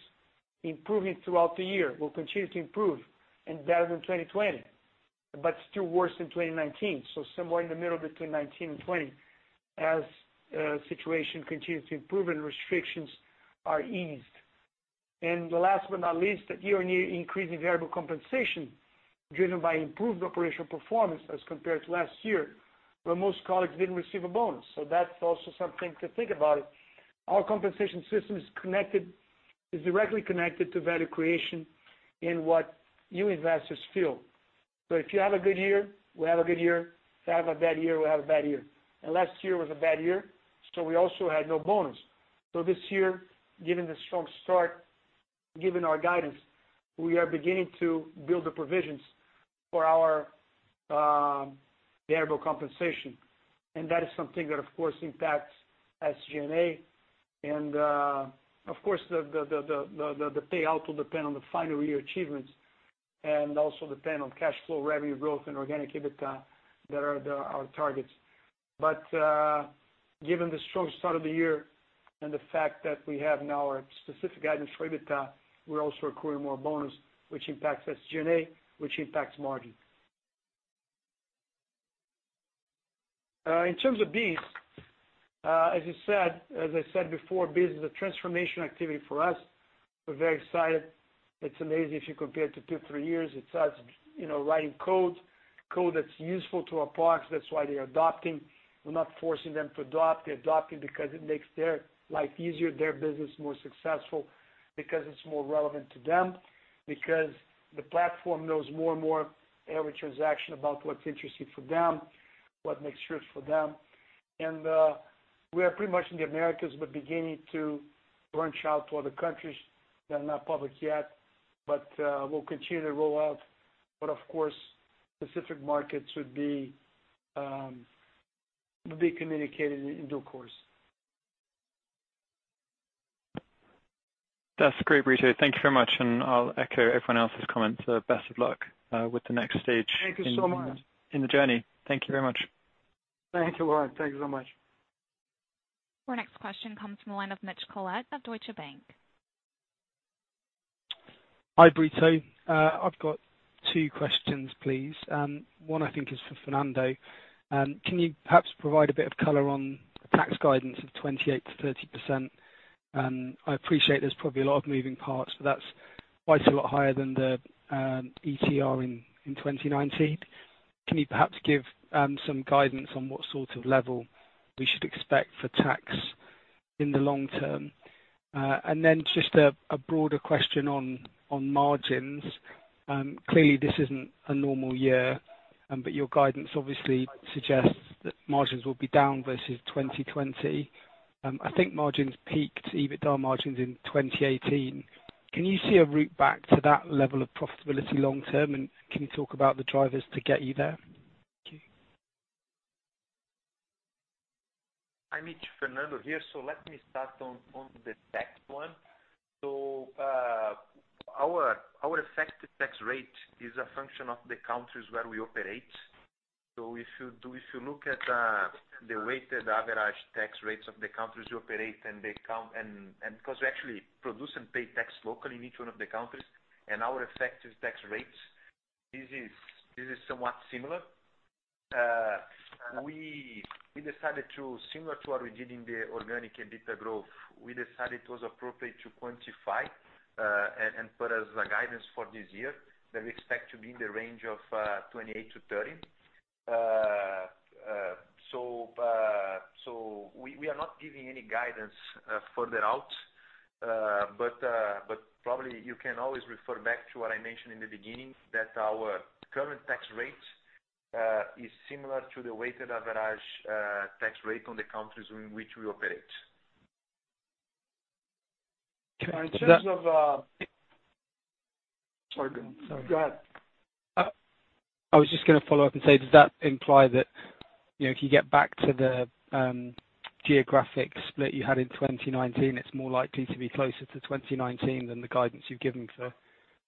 improving throughout the year will continue to improve and better than 2020, but still worse than 2019. Somewhere in the middle between 2019 and 2020 as the situation continues to improve and restrictions are eased. The last but not least, that year-on-year increase in variable compensation driven by improved operational performance as compared to last year, where most colleagues didn't receive a bonus. That's also something to think about. Our compensation system is directly connected to value creation and what you investors feel. If you have a good year, we have a good year. If you have a bad year, we have a bad year. Last year was a bad year, so we also had no bonus. This year, given the strong start, given our guidance, we are beginning to build the provisions for our variable compensation. That is something that, of course, impacts SG&A. Of course, the payout will depend on the final year achievements and also depend on cash flow, revenue growth, and organic EBITDA that are our targets. Given the strong start of the year and the fact that we have now our specific guidance for EBITDA, we're also accruing more bonus, which impacts SG&A, which impacts margin. In terms of BEES, as I said before, BEES is a transformation activity for us. We're very excited. It's amazing if you compare it to two, three years. It starts writing code that's useful to our partners. That's why they're adopting. We're not forcing them to adopt. They're adopting because it makes their life easier, their business more successful, because it's more relevant to them, because the platform knows more and more every transaction about what's interesting for them, what makes truth for them. We are pretty much in the Americas, but beginning to branch out to other countries that are not public yet. We'll continue to roll out. Of course, specific markets would be communicated in due course. That's great, Brito. Thank you very much, and I'll echo everyone else's comments. Best of luck with the next stage. Thank you so much. in the journey. Thank you very much. Thank you, Laurence. Thank you so much. Our next question comes from the line of Mitch Collett of Deutsche Bank. Hi, Brito. I've got two questions, please. One I think is for Fernando. Can you perhaps provide a bit of color on the tax guidance of 28%-30%? I appreciate there's probably a lot of moving parts, but that's quite a lot higher than the ETR in 2019. Can you perhaps give some guidance on what sort of level we should expect for tax in the long term? Then just a broader question on margins. Clearly, this isn't a normal year, but your guidance obviously suggests that margins will be down versus 2020. I think margins peaked, EBITDA margins, in 2018. Can you see a route back to that level of profitability long term, and can you talk about the drivers to get you there? Thank you. Hi, Mitch. Fernando here. Let me start on the tax one. Our effective tax rate is a function of the countries where we operate. If you look at the weighted average tax rates of the countries we operate and because we actually produce and pay tax locally in each one of the countries and our effective tax rates, this is somewhat similar. Similar to what we did in the organic EBITDA growth, we decided it was appropriate to quantify and put as a guidance for this year that we expect to be in the range of 28%-30%. We are not giving any guidance further out. Probably you can always refer back to what I mentioned in the beginning, that our current tax rate is similar to the weighted average tax rate on the countries in which we operate. In terms of Sorry. Go ahead. I was just going to follow up and say, does that imply that, if you get back to the geographic split you had in 2019, it's more likely to be closer to 2019 than the guidance you've given for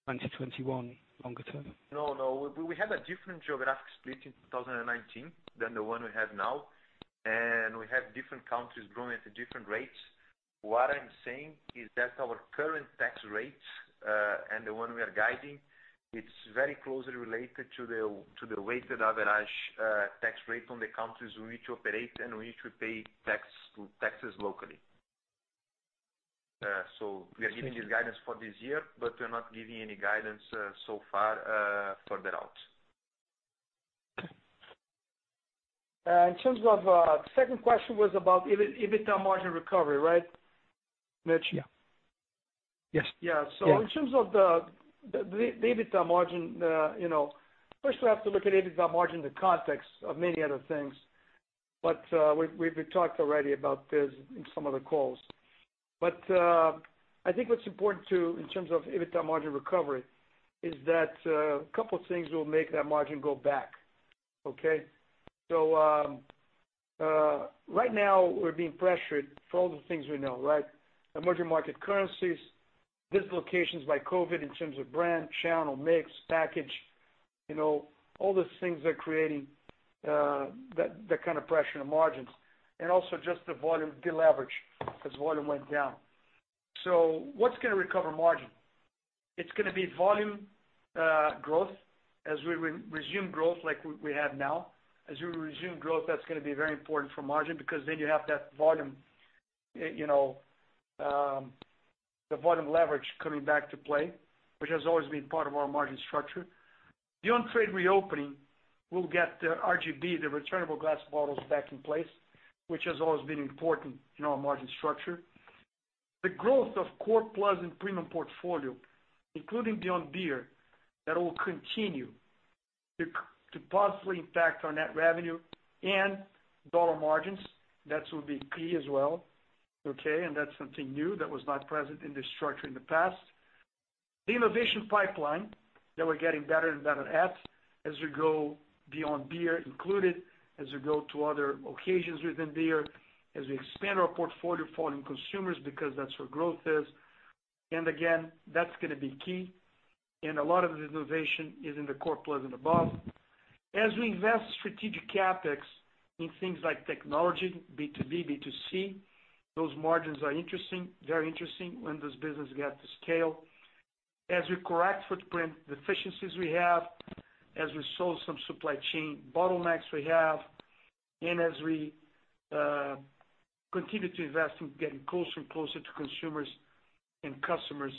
2021 longer term? No, we had a different geographic split in 2019 than the one we have now, and we have different countries growing at different rates. What I'm saying is that our current tax rates, and the one we are guiding, it's very closely related to the weighted average tax rate on the countries in which we operate and in which we pay taxes locally. We are giving this guidance for this year, but we're not giving any guidance so far further out. In terms of, second question was about EBITDA margin recovery, right, Mitch? Yeah. Yes. In terms of the EBITDA margin, first we have to look at EBITDA margin in the context of many other things. We've talked already about this in some other calls. I think what's important, too, in terms of EBITDA margin recovery, is that a couple things will make that margin go back. Okay? Right now we're being pressured for all the things we know, right? Emerging market currencies, dislocations by COVID in terms of brand, channel, mix, package. All those things are creating that kind of pressure in the margins. Also, just the volume deleverages, because volume went down. What's going to recover margin? It's going to be volume growth as we resume growth like we have now. As we resume growth, that's going to be very important for margin because then you have the volume leverage coming back to play, which has always been part of our margin structure. The on-trade reopening will get the RGB, the returnable glass bottles, back in place, which has always been important in our margin structure. The growth of core plus and premium portfolio, including beyond beer, that will continue to possibly impact our net revenue and dollar margins. That will be key as well. Okay? That's something new that was not present in this structure in the past. The innovation pipeline that we're getting better and better at as we go beyond beer included, as we go to other occasions within beer, as we expand our portfolio for young consumers, because that's where growth is. Again, that's going to be key. A lot of the innovation is in the core plus and above. As we invest strategic CapEx in things like technology, B2B, B2C, those margins are very interesting when this business gets to scale. As we correct footprint deficiencies we have, as we solve some supply chain bottlenecks we have, and as we continue to invest in getting closer and closer to consumers and customers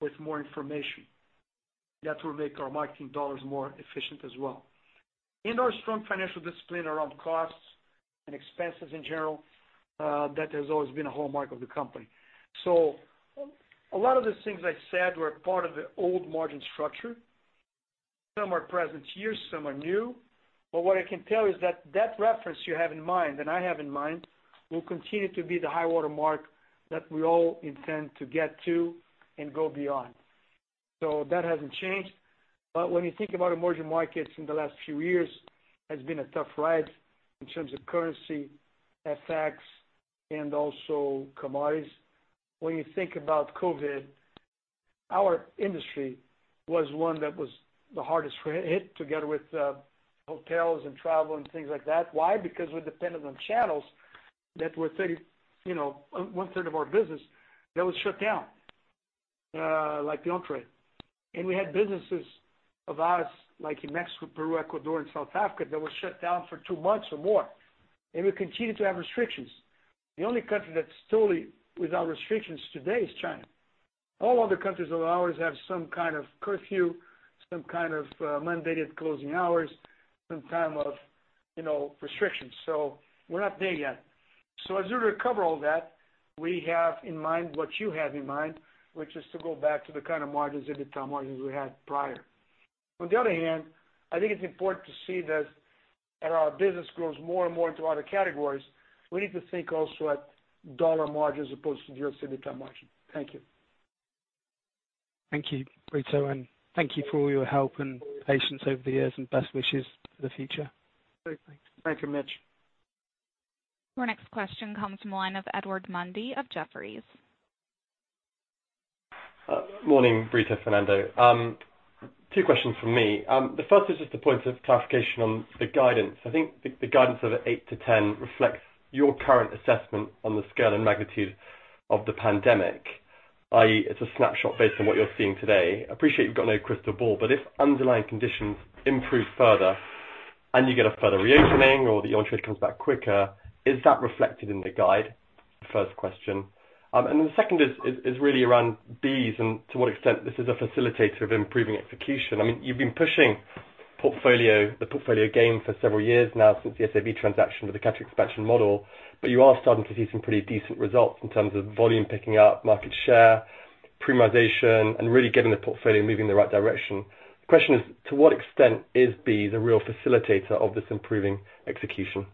with more information. That will make our marketing dollars more efficient as well. In our strong financial discipline around costs and expenses in general, that has always been a hallmark of the company. A lot of the things I said were part of the old margin structure. Some are present here, some are new. What I can tell you is that that reference you have in mind and I have in mind, will continue to be the high water mark that we all intend to get to and go beyond. That hasn't changed. When you think about emerging markets in the last few years, has been a tough ride in terms of currency effects and also commodities. When you think about COVID-19, our industry was one that was the hardest hit together with hotels and travel and things like that. Why? Because we're dependent on channels that were one-third of our business that was shut down, like the on-trade. We had businesses of ours, like in Mexico, Peru, Ecuador and South Africa, that were shut down for two months or more, and we continue to have restrictions. The only country that's totally without restrictions today is China. All other countries of ours have some kind of curfew, some kind of mandated closing hours, some kind of restrictions. We're not there yet. As we recover all that, we have in mind what you have in mind, which is to go back to the kind of margins, EBITDA margins we had prior. On the other hand, I think it's important to see that as our business grows more and more into other categories, we need to think also at dollar margins as opposed to just EBITDA margin. Thank you. Thank you, Brito, and thank you for all your help and patience over the years, and best wishes for the future. Thank you, Mitch. Our next question comes from the line of Edward Mundy of Jefferies. Morning, Brito, Fernando. Two questions from me. The first is just a point of clarification on the guidance. I think the guidance of 8-10 reflects your current assessment on the scale and magnitude of the pandemic, i.e., it's a snapshot based on what you're seeing today. Appreciate you've got no crystal ball, but if underlying conditions improve further and you get a further reopening or the on trade comes back quicker, is that reflected in the guide? First question. The second is really around BEES and to what extent this is a facilitator of improving execution. You've been pushing the portfolio game for several years now since the SAB transaction with the category expansion model, but you are starting to see some pretty decent results in terms of volume picking up, market share, premiumization, and really getting the portfolio moving in the right direction. The question is, to what extent is BEES the real facilitator of this improving execution?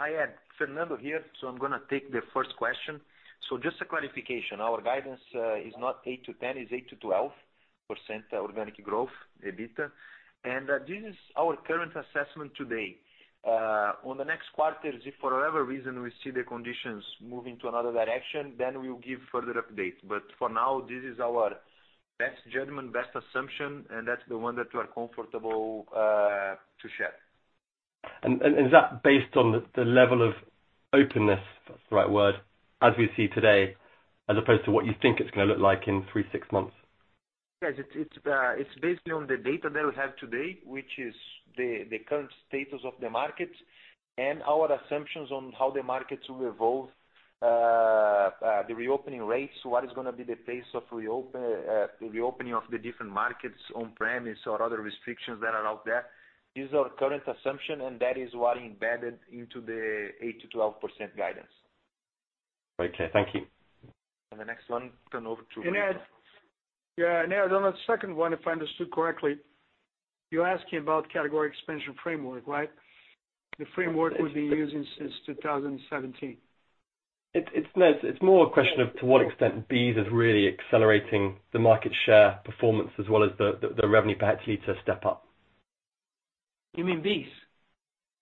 Hi, Ed. Fernando here, I'm going to take the first question. Just a clarification, our guidance is not 8%-10%, it's 8%-12% organic growth, EBITDA. This is our current assessment today. On the next quarters, if for whatever reason we see the conditions moving to another direction, we'll give further updates. For now, this is our best judgment, best assumption, and that's the one that we are comfortable to share. Is that based on the level of openness, if that's the right word, as we see today, as opposed to what you think it's going to look like in three, six months? Yes, it's based on the data that we have today, which is the current status of the market and our assumptions on how the market will evolve, the reopening rates, what is going to be the pace of reopening of the different markets on premise or other restrictions that are out there. This is our current assumption, and that is what embedded into the 8%-12% guidance. Okay, thank you. The next one, turn over to Brito. Yeah, on that second one, if I understood correctly, you're asking about category expansion framework, right? The framework we've been using since 2017. It's more a question of to what extent BEES is really accelerating the market share performance as well as the revenue perhaps need to step up. You mean BEES?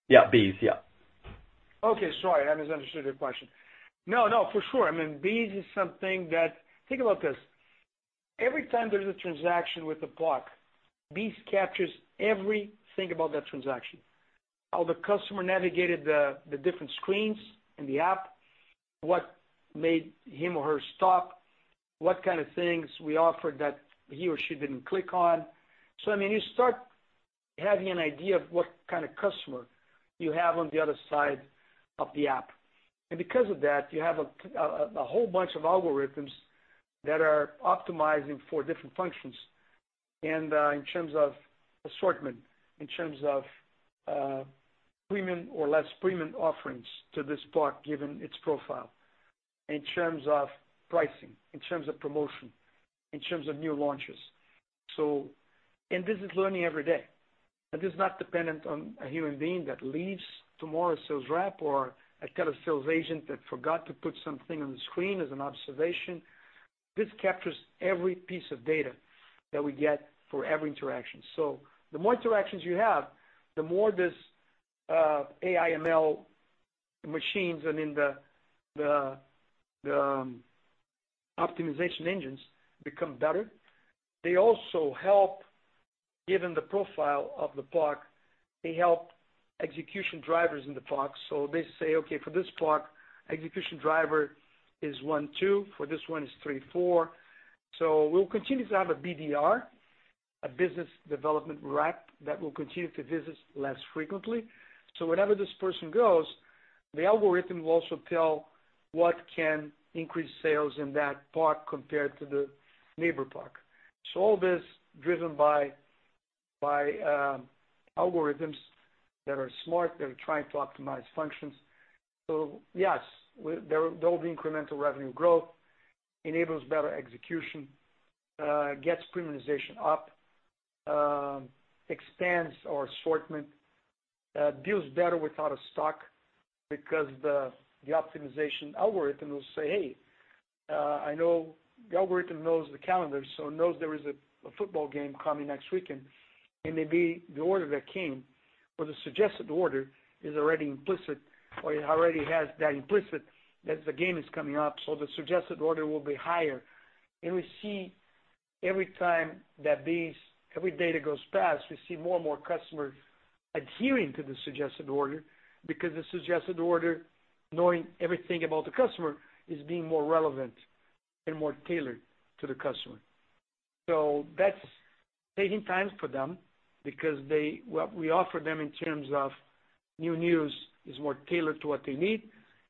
Yeah, BEES, yeah. Okay, sorry, I misunderstood your question. No, for sure. BEES is something. Think about this. Every time there's a transaction with a product, BEES captures everything about that transaction. How the customer navigated the different screens in the app, what made him or her stop, what kind of things we offered that he or she didn't click on. You start having an idea of what kind of customer you have on the other side of the app. Because of that, you have a whole bunch of algorithms that are optimizing for different functions. In terms of assortment, in terms of premium or less premium offerings to this product given its profile, in terms of pricing, in terms of promotion, in terms of new launches. This is learning every day. This is not dependent on a human being that leaves tomorrow sales rep or a tele sales agent that forgot to put something on the screen as an observation. This captures every piece of data that we get for every interaction. The more interactions you have, the more this AI/ML machines and in the optimization engines become better. They also help, given the profile of the block, they help execution drivers in the block. They say, "Okay, for this block, execution driver is one, two, for this one is three, four." We'll continue to have a BDR, a business development rep, that will continue to visit less frequently. Wherever this person goes, the algorithm will also tell what can increase sales in that block compared to the neighbor block. All this driven by algorithms that are smart, that are trying to optimize functions. Yes, there will be incremental revenue growth, enables better execution, gets premiumization up, expands our assortment, deals better with out-of-stock because the optimization algorithm will say, hey, the algorithm knows the calendar, so knows there is a football game coming next weekend, and maybe the order that came or the suggested order is already implicit, or it already has that implicit that the game is coming up, so the suggested order will be higher. We see every time that this, every data goes past, we see more and more customers adhering to the suggested order because the suggested order, knowing everything about the customer, is being more relevant and more tailored to the customer. That's saving times for them because what we offer them in terms of new news is more tailored to what they need,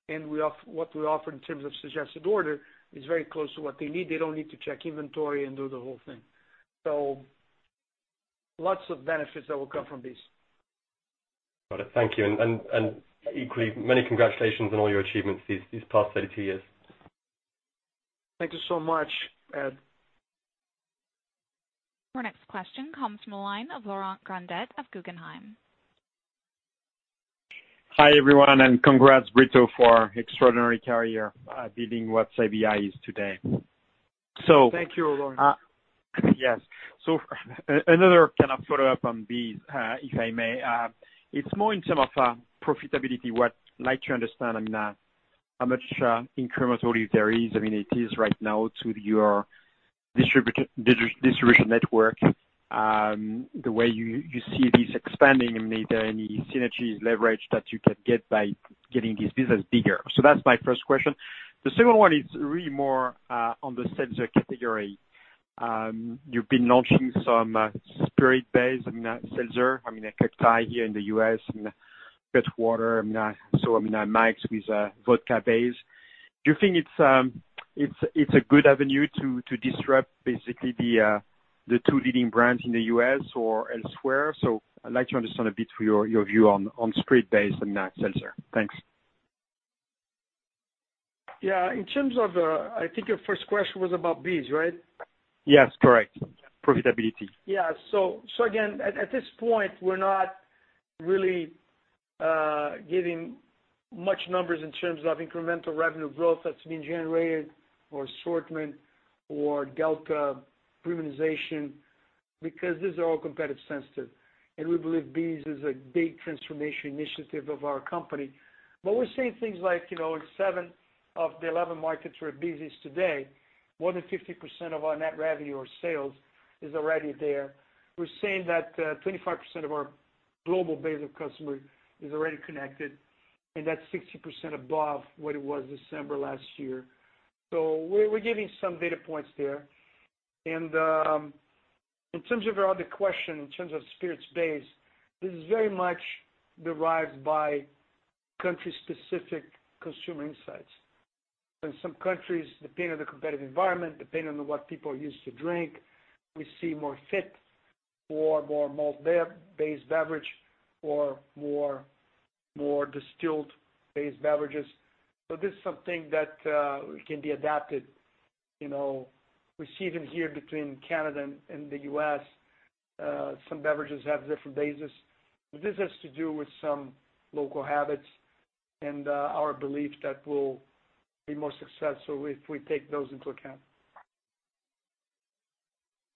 and what we offer in terms of suggested order is very close to what they need. They don't need to check inventory and do the whole thing. Lots of benefits that will come from this. Got it. Thank you. Equally, many congratulations on all your achievements these past 32 years. Thank you so much, Ed. Our next question comes from the line of Laurent Grandet of Guggenheim. Hi, everyone, and congrats, Brito, for extraordinary career building what ABI is today. Thank you, Laurent. Yes. Another kind of follow-up on this, if I may. It's more in terms of profitability. What I'd like to understand, how much incrementality there is right now to your distribution network the way you see this expanding and are there any synergies leverage that you can get by getting this business bigger? That's my first question. The second one is really more on the seltzer category. You've been launching some spirit-based seltzer, a cocktail here in the U.S. and Cutwater, I mean, Mike's with vodka base. Do you think it's a good avenue to disrupt basically the two leading brands in the U.S. or elsewhere? I'd like to understand a bit for your view on spirit-based and not seltzer. Thanks. Yeah. I think your first question was about BEES, right? Yes, correct. Profitability. Again, at this point, we're not really giving much numbers in terms of incremental revenue growth that's been generated for assortment or delta premiumization, because these are all competitive sensitive. We believe BEES is a big transformation initiative of our company. We're saying things like, in seven of the 11 markets where BEES is today, more than 50% of our net revenue or sales is already there. We're saying that 25% of our global base of customers is already connected, and that's 60% above what it was December last year. We're giving some data points there. In terms of your other question, in terms of spirits base, this is very much derived by country-specific consumer insights. In some countries, depending on the competitive environment, depending on what people are used to drink, we see more fit for more malt-based beverage or more distilled-based beverages. This is something that can be adapted. We see it in here between Canada and the U.S. Some beverages have different bases. This has to do with some local habits and our belief that we'll be more successful if we take those into account.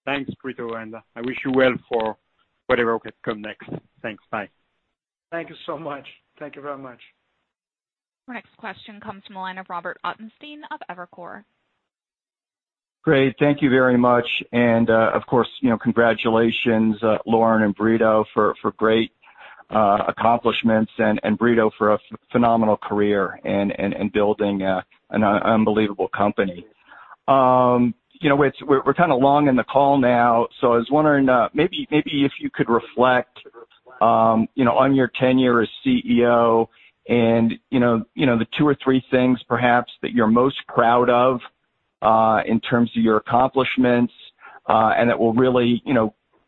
Thanks, Brito. I wish you well for whatever comes next. Thanks. Bye. Thank you so much. Thank you very much. Our next question comes from the line of Robert Ottenstein of Evercore. Great. Thank you very much. Of course, congratulations, Lauren and Brito, for great accomplishments, and Brito for a phenomenal career and building an unbelievable company. We're kind of long in the call now, so I was wondering, maybe if you could reflect on your tenure as CEO and the two or three things perhaps that you're most proud of, in terms of your accomplishments, and that will really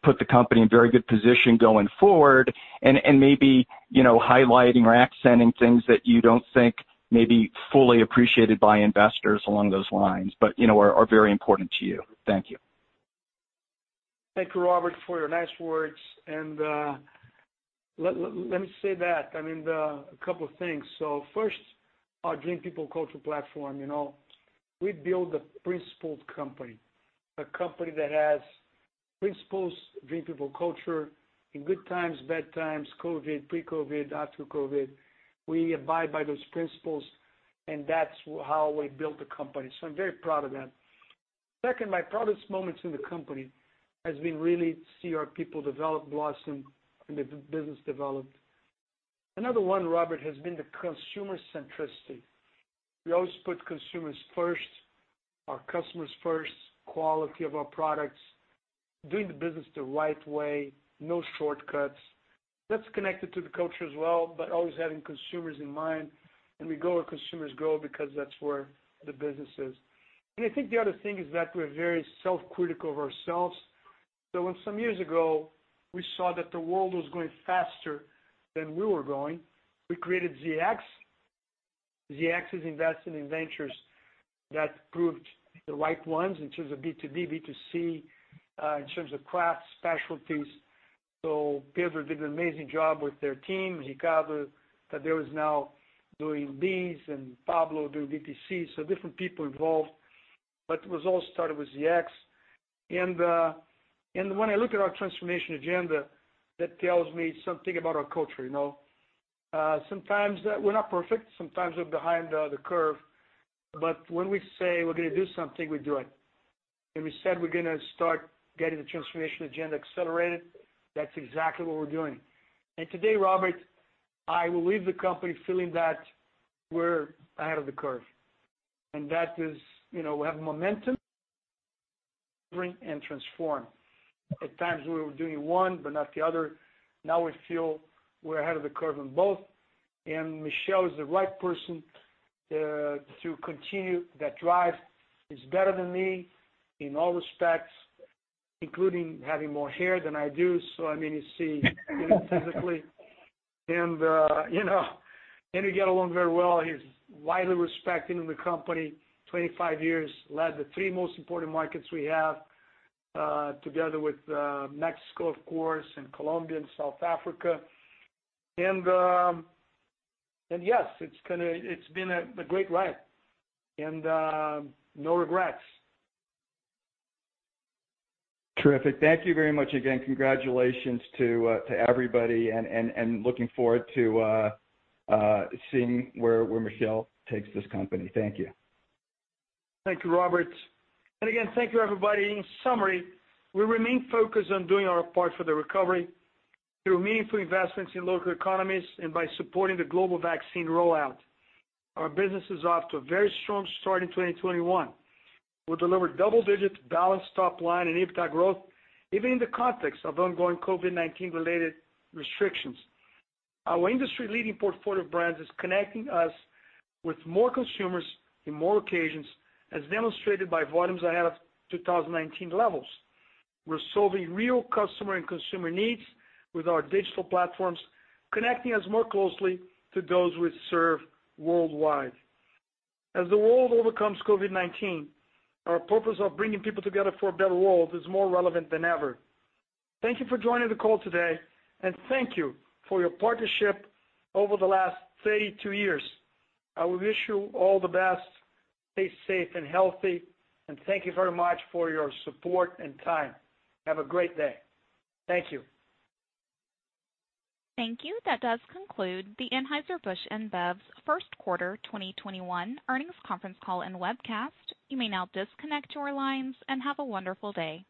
put the company in very good position going forward and maybe highlighting or accenting things that you don't think may be fully appreciated by investors along those lines, but are very important to you. Thank you. Thank you, Robert, for your nice words. Let me say that, a couple of things. First, our Dream People Culture platform. We build a principled company, a company that has principles, Dream People Culture. In good times, bad times, COVID, pre-COVID, after COVID, we abide by those principles, that's how we built the company. I'm very proud of that. Second, my proudest moments in the company has been really see our people develop, blossom, and the business develop. Another one, Robert, has been the consumer centricity. We always put consumers first, our customers first, quality of our products, doing the business the right way, no shortcuts. That's connected to the culture as well, always having consumers in mind, we go where consumers go because that's where the business is. I think the other thing is that we're very self-critical of ourselves. When some years ago, we saw that the world was going faster than we were going, we created ZX. ZX is invested in ventures that proved the right ones in terms of B2B, B2C, in terms of craft specialties. Pedro did an amazing job with their team. Ricardo Tadeu is now doing BEES and Pablo doing DTC. Different people involved, but it was all started with ZX. When I look at our transformation agenda, that tells me something about our culture. Sometimes we're not perfect, sometimes we're behind the curve. When we say we're gonna do something, we do it. We said we're gonna start getting the transformation agenda accelerated. That's exactly what we're doing. Today, Robert, I will leave the company feeling that we're ahead of the curve. That is, we have momentum, bring and transform. At times, we were doing one but not the other. Now we feel we're ahead of the curve on both. Michel is the right person to continue that drive. He's better than me in all respects, including having more hair than I do. You see him physically. He get along very well. He's widely respected in the company. 25 years led the three most important markets we have, together with Mexico, of course, and Colombia and South Africa. Yes, it's been a great ride. No regrets. Terrific. Thank you very much again. Congratulations to everybody and looking forward to seeing where Michel takes this company. Thank you. Thank you, Robert. Again, thank you, everybody. In summary, we remain focused on doing our part for the recovery through meaningful investments in local economies and by supporting the global vaccine rollout. Our business is off to a very strong start in 2021. We delivered double-digit balanced top line and EBITDA growth, even in the context of ongoing COVID-19 related restrictions. Our industry-leading portfolio of brands is connecting us with more consumers in more occasions, as demonstrated by volumes ahead of 2019 levels. We're solving real customer and consumer needs with our digital platforms, connecting us more closely to those we serve worldwide. As the world overcomes COVID-19, our purpose of bringing people together for a better world is more relevant than ever. Thank you for joining the call today, thank you for your partnership over the last 32 years. I will wish you all the best. Stay safe and healthy and thank you very much for your support and time. Have a great day. Thank you. Thank you. That does conclude the Anheuser-Busch InBev first quarter 2021 earnings conference call and webcast. You may now disconnect your lines and have a wonderful day.